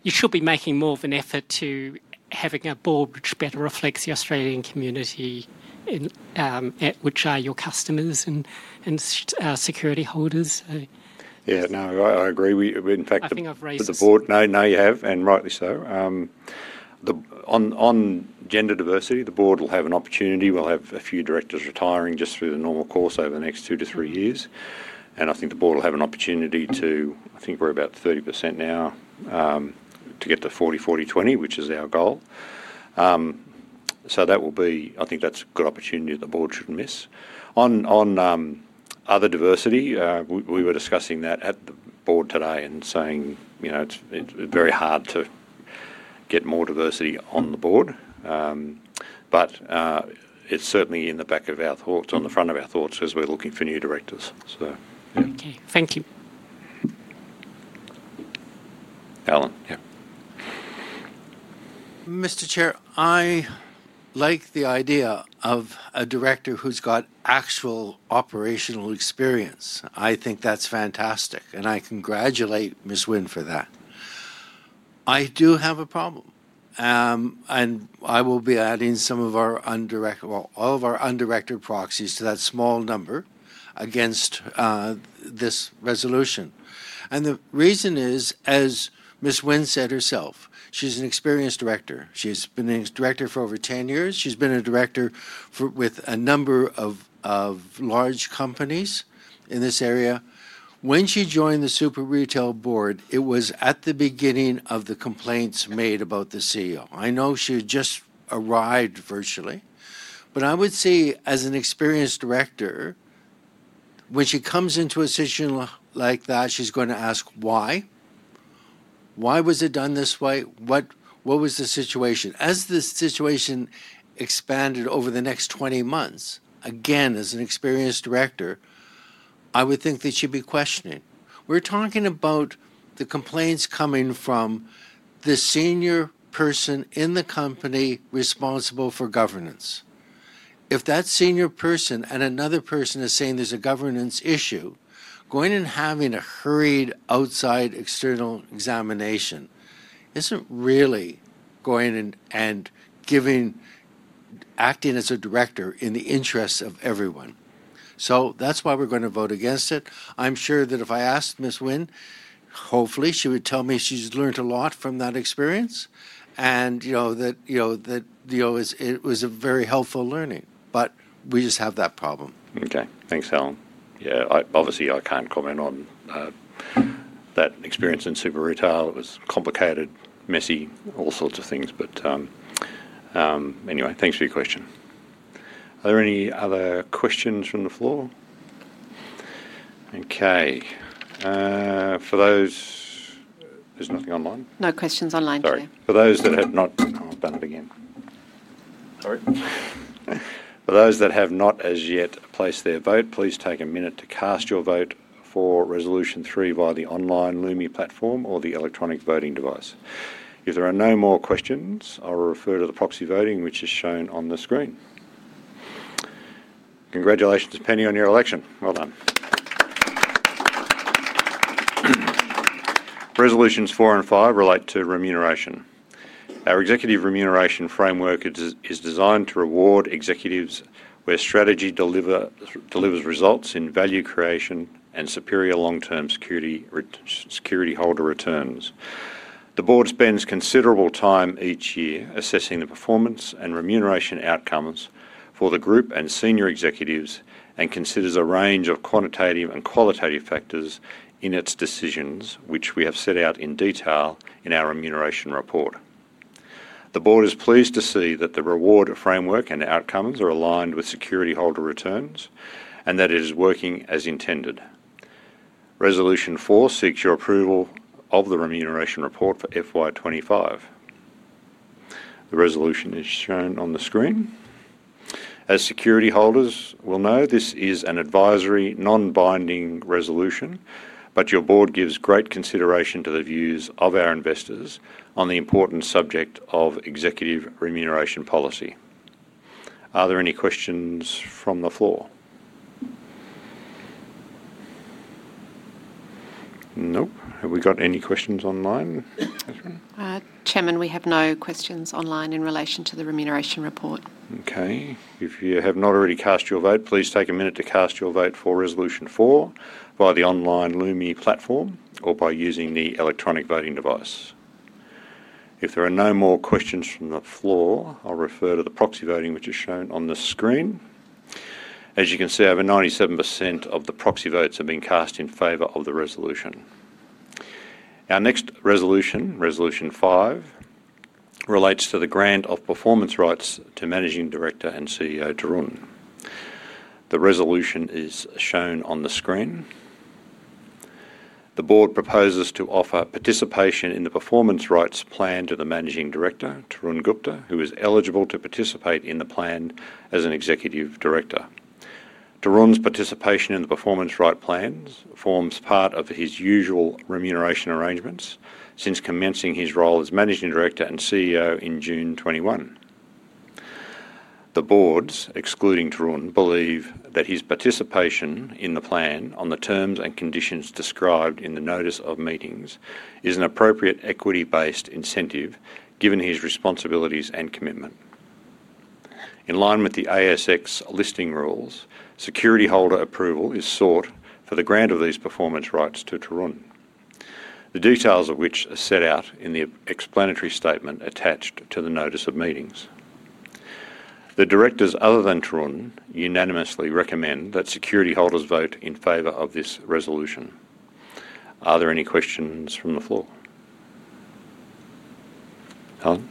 you should be making more of an effort to having a board which better reflects the Australian community, which are your customers and security holders. Yeah, no, I agree. In fact, I think I've raised... I think I've raised... No, you have, and rightly so. On gender diversity, the Board will have an opportunity. We'll have a few directors retiring just through the normal course over the next two to three years, and I think the Board will have an opportunity to, I think we're about 30% now, to get to 40%, 40%, 20%, which is our goal. That will be, I think that's a good opportunity that the Board shouldn't miss. On other diversity, we were discussing that at the Board today and saying, you know, it's very hard to get more diversity on the Board, but it's certainly in the back of our thoughts, on the front of our thoughts, because we're looking for new directors. Okay, thank you. Alan, yeah. Mr. Chair, I like the idea of a director who's got actual operational experience. I think that's fantastic, and I congratulate Ms. Winn for that. I do have a problem, and I will be adding all of our undirected proxies to that small number against this resolution. The reason is, as Ms. Winn said herself, she's an experienced director. She's been a director for over 10 years. She's been a director with a number of large companies in this area. When she joined the Super Retail board, it was at the beginning of the complaints made about the CEO. I know she just arrived virtually, but I would say as an experienced director, when she comes into a situation like that, she's going to ask why. Why was it done this way? What was the situation? As the situation expanded over the next 20 months, again, as an experienced director, I would think that she'd be questioning. We're talking about the complaints coming from the senior person in the company responsible for governance. If that senior person and another person are saying there's a governance issue, going and having a hurried outside external examination isn't really going and acting as a director in the interests of everyone. That's why we're going to vote against it. I'm sure that if I asked Ms. Winn, hopefully she would tell me she's learned a lot from that experience and, you know, that it was a very helpful learning, but we just have that problem. Okay, thanks, Alan. Obviously I can't comment on that experience in Super Retail. It was complicated, messy, all sorts of things, but anyway, thanks for your question. Are there any other questions from the floor? Okay, for those, there's nothing online. No questions online, sir. For those that have not as yet placed their vote, please take a minute to cast your vote for resolution three via the online Lumi platform or the electronic voting device. If there are no more questions, I'll refer to the proxy voting, which is shown on the screen. Congratulations, Penny, on your election. Well done. Resolutions 4 and 5 relate to remuneration. Our executive remuneration framework is designed to reward executives where strategy delivers results in value creation and superior long-term security holder returns. The Board spends considerable time each year assessing the performance and remuneration outcomes for the group and senior executives and considers a range of quantitative and qualitative factors in its decisions, which we have set out in detail in our remuneration report. The Board is pleased to see that the reward framework and outcomes are aligned with security holder returns and that it is working as intended. Resolution 4 seeks your approval of the remuneration report for FY 2025. The resolution is shown on the screen. As security holders will know, this is an advisory non-binding resolution, but your Board gives great consideration to the views of our investors on the important subject of executive remuneration policy. Are there any questions from the floor? Nope. Have we got any questions online? Chairman, we have no questions online in relation to the remuneration report. Okay. If you have not already cast your vote, please take a minute to cast your vote for Resolution 4 via the online Lumi platform or by using the electronic voting device. If there are no more questions from the floor, I'll refer to the proxy voting, which is shown on the screen. As you can see, over 97% of the proxy votes have been cast in favor of the resolution. Our next resolution, Resolution 5, relates to the grant of performance rights to Managing Director and CEO, Tarun. The resolution is shown on the screen. The Board proposes to offer participation in the performance rights plan to the Managing Director, Tarun Gupta, who is eligible to participate in the plan as an Executive Director. Tarun's participation in the performance rights plans forms part of his usual remuneration arrangements since commencing his role as Managing Director and CEO in June 2021. The Board, excluding Tarun, believe that his participation in the plan on the terms and conditions described in the notice of meetings is an appropriate equity-based incentive given his responsibilities and commitment. In line with the ASX listing rules, security holder approval is sought for the grant of these performance rights to Tarun, the details of which are set out in the explanatory statement attached to the notice of meetings. The directors, other than Tarun, unanimously recommend that security holders vote in favor of this resolution. Are there any questions from the floor? Alan?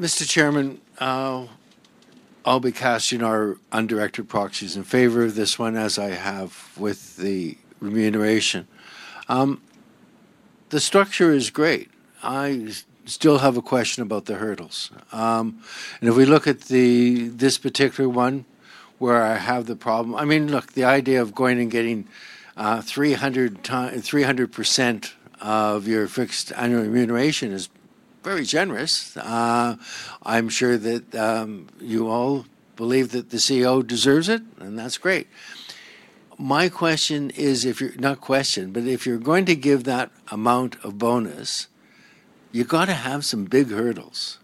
Mr. Chairman, I'll be casting our undirected proxies in favor of this one, as I have with the remuneration. The structure is great. I still have a question about the hurdles. If we look at this particular one, where I have the problem, the idea of going and getting 300% of your fixed annual remuneration is very generous. I'm sure that you all believe that the CEO deserves it, and that's great. My question is, if you're going to give that amount of bonus, you've got to have some big hurdles.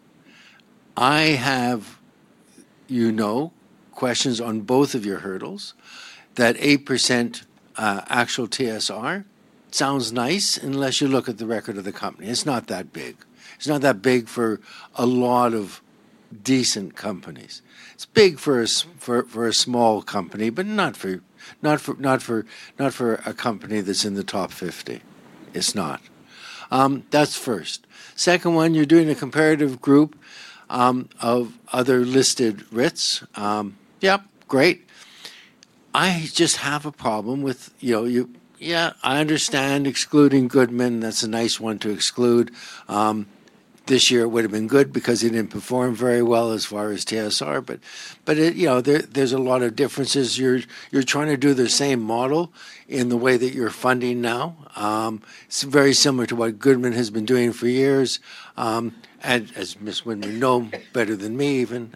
I have questions on both of your hurdles. That 8% actual TSR sounds nice unless you look at the record of the company. It's not that big. It's not that big for a lot of decent companies. It's big for a small company, but not for a company that's in the top 50. It's not. That's first. The second one, you're doing a comparative group of other listed REITs. Yep. Great. I just have a problem with, yeah, I understand excluding Goodman, that's a nice one to exclude. This year it would have been good because he didn't perform very well as far as TSR, but there's a lot of differences. You're trying to do the same model in the way that you're funding now. It's very similar to what Goodman has been doing for years, and as Ms. [Windham] would know better than me even,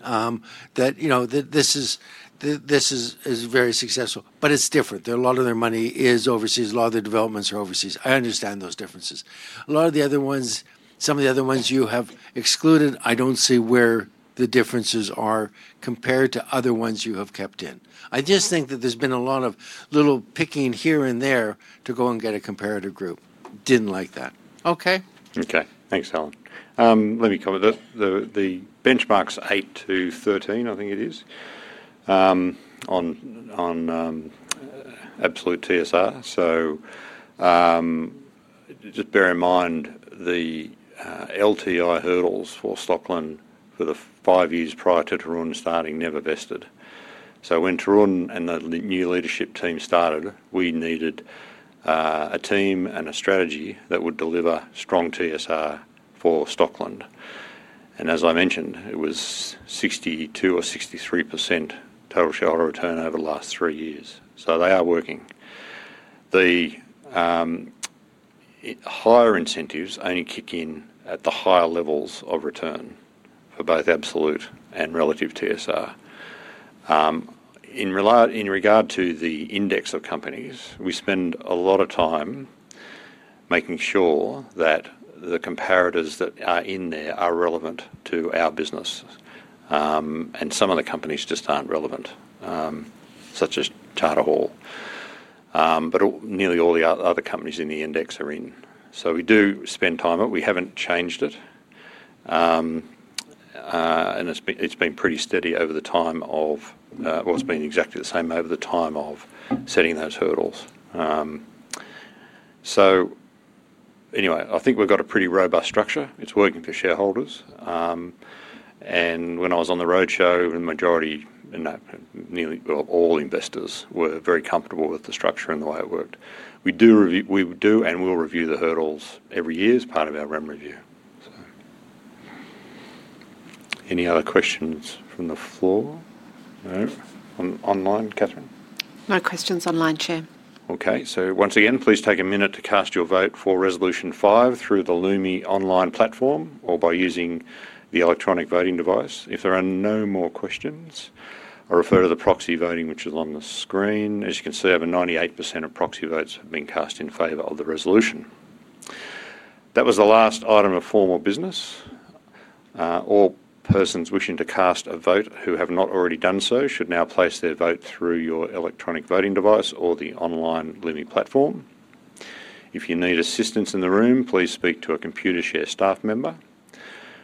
this is very successful. It's different. A lot of their money is overseas. A lot of their developments are overseas. I understand those differences. A lot of the other ones, some of the other ones you have excluded, I don't see where the differences are compared to other ones you have kept in. I just think that there's been a lot of little picking here and there to go and get a comparative group. Didn't like that. Okay? Okay. Thanks, Alan. Let me cover the benchmarks eight to 13, I think it is, on absolute TSR. Just bear in mind the LTI hurdles for Stockland for the five years prior to Tarun starting never vested. When Tarun and the new leadership team started, we needed a team and a strategy that would deliver strong TSR for Stockland. As I mentioned, it was 62% or 63% total shareholder return over the last three years. They are working. The higher incentives only kick in at the higher levels of return for both absolute and relative TSR. In regard to the index of companies, we spend a lot of time making sure that the comparators that are in there are relevant to our business. Some of the companies just aren't relevant, such as Tata Hall. Nearly all the other companies in the index are in. We do spend time on it. We haven't changed it. It's been pretty steady over the time of setting those hurdles. I think we've got a pretty robust structure. It's working for shareholders. When I was on the roadshow, the majority, and all investors, were very comfortable with the structure and the way it worked. We do, and we'll review the hurdles every year as part of our RAM review. Any other questions from the floor? No? Online, Katherine? No questions online, Chair. Okay. Once again, please take a minute to cast your vote for Resolution 5 through the Lumi online platform or by using the electronic voting device. If there are no more questions, I'll refer to the proxy voting, which is on the screen. As you can see, over 98% of proxy votes have been cast in favor of the resolution. That was the last item of formal business. All persons wishing to cast a vote who have not already done so should now place their vote through your electronic voting device or the online Lumi platform. If you need assistance in the room, please speak to a Computershared staff member.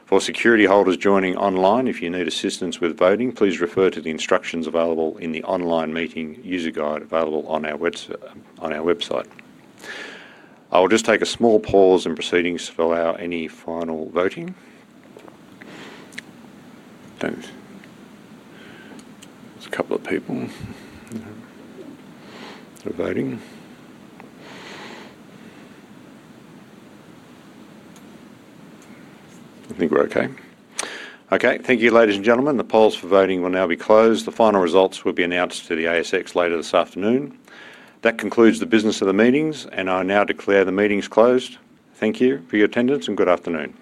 For security holders joining online, if you need assistance with voting, please refer to the instructions available in the online meeting user guide available on our website. I will just take a small pause in proceedings to fill out any final voting. There's a couple of people voting. I think we're okay. Thank you, ladies and gentlemen. The polls for voting will now be closed. The final results will be announced to the ASX later this afternoon. That concludes the business of the meetings, and I will now declare the meetings closed. Thank you for your attendance and good afternoon.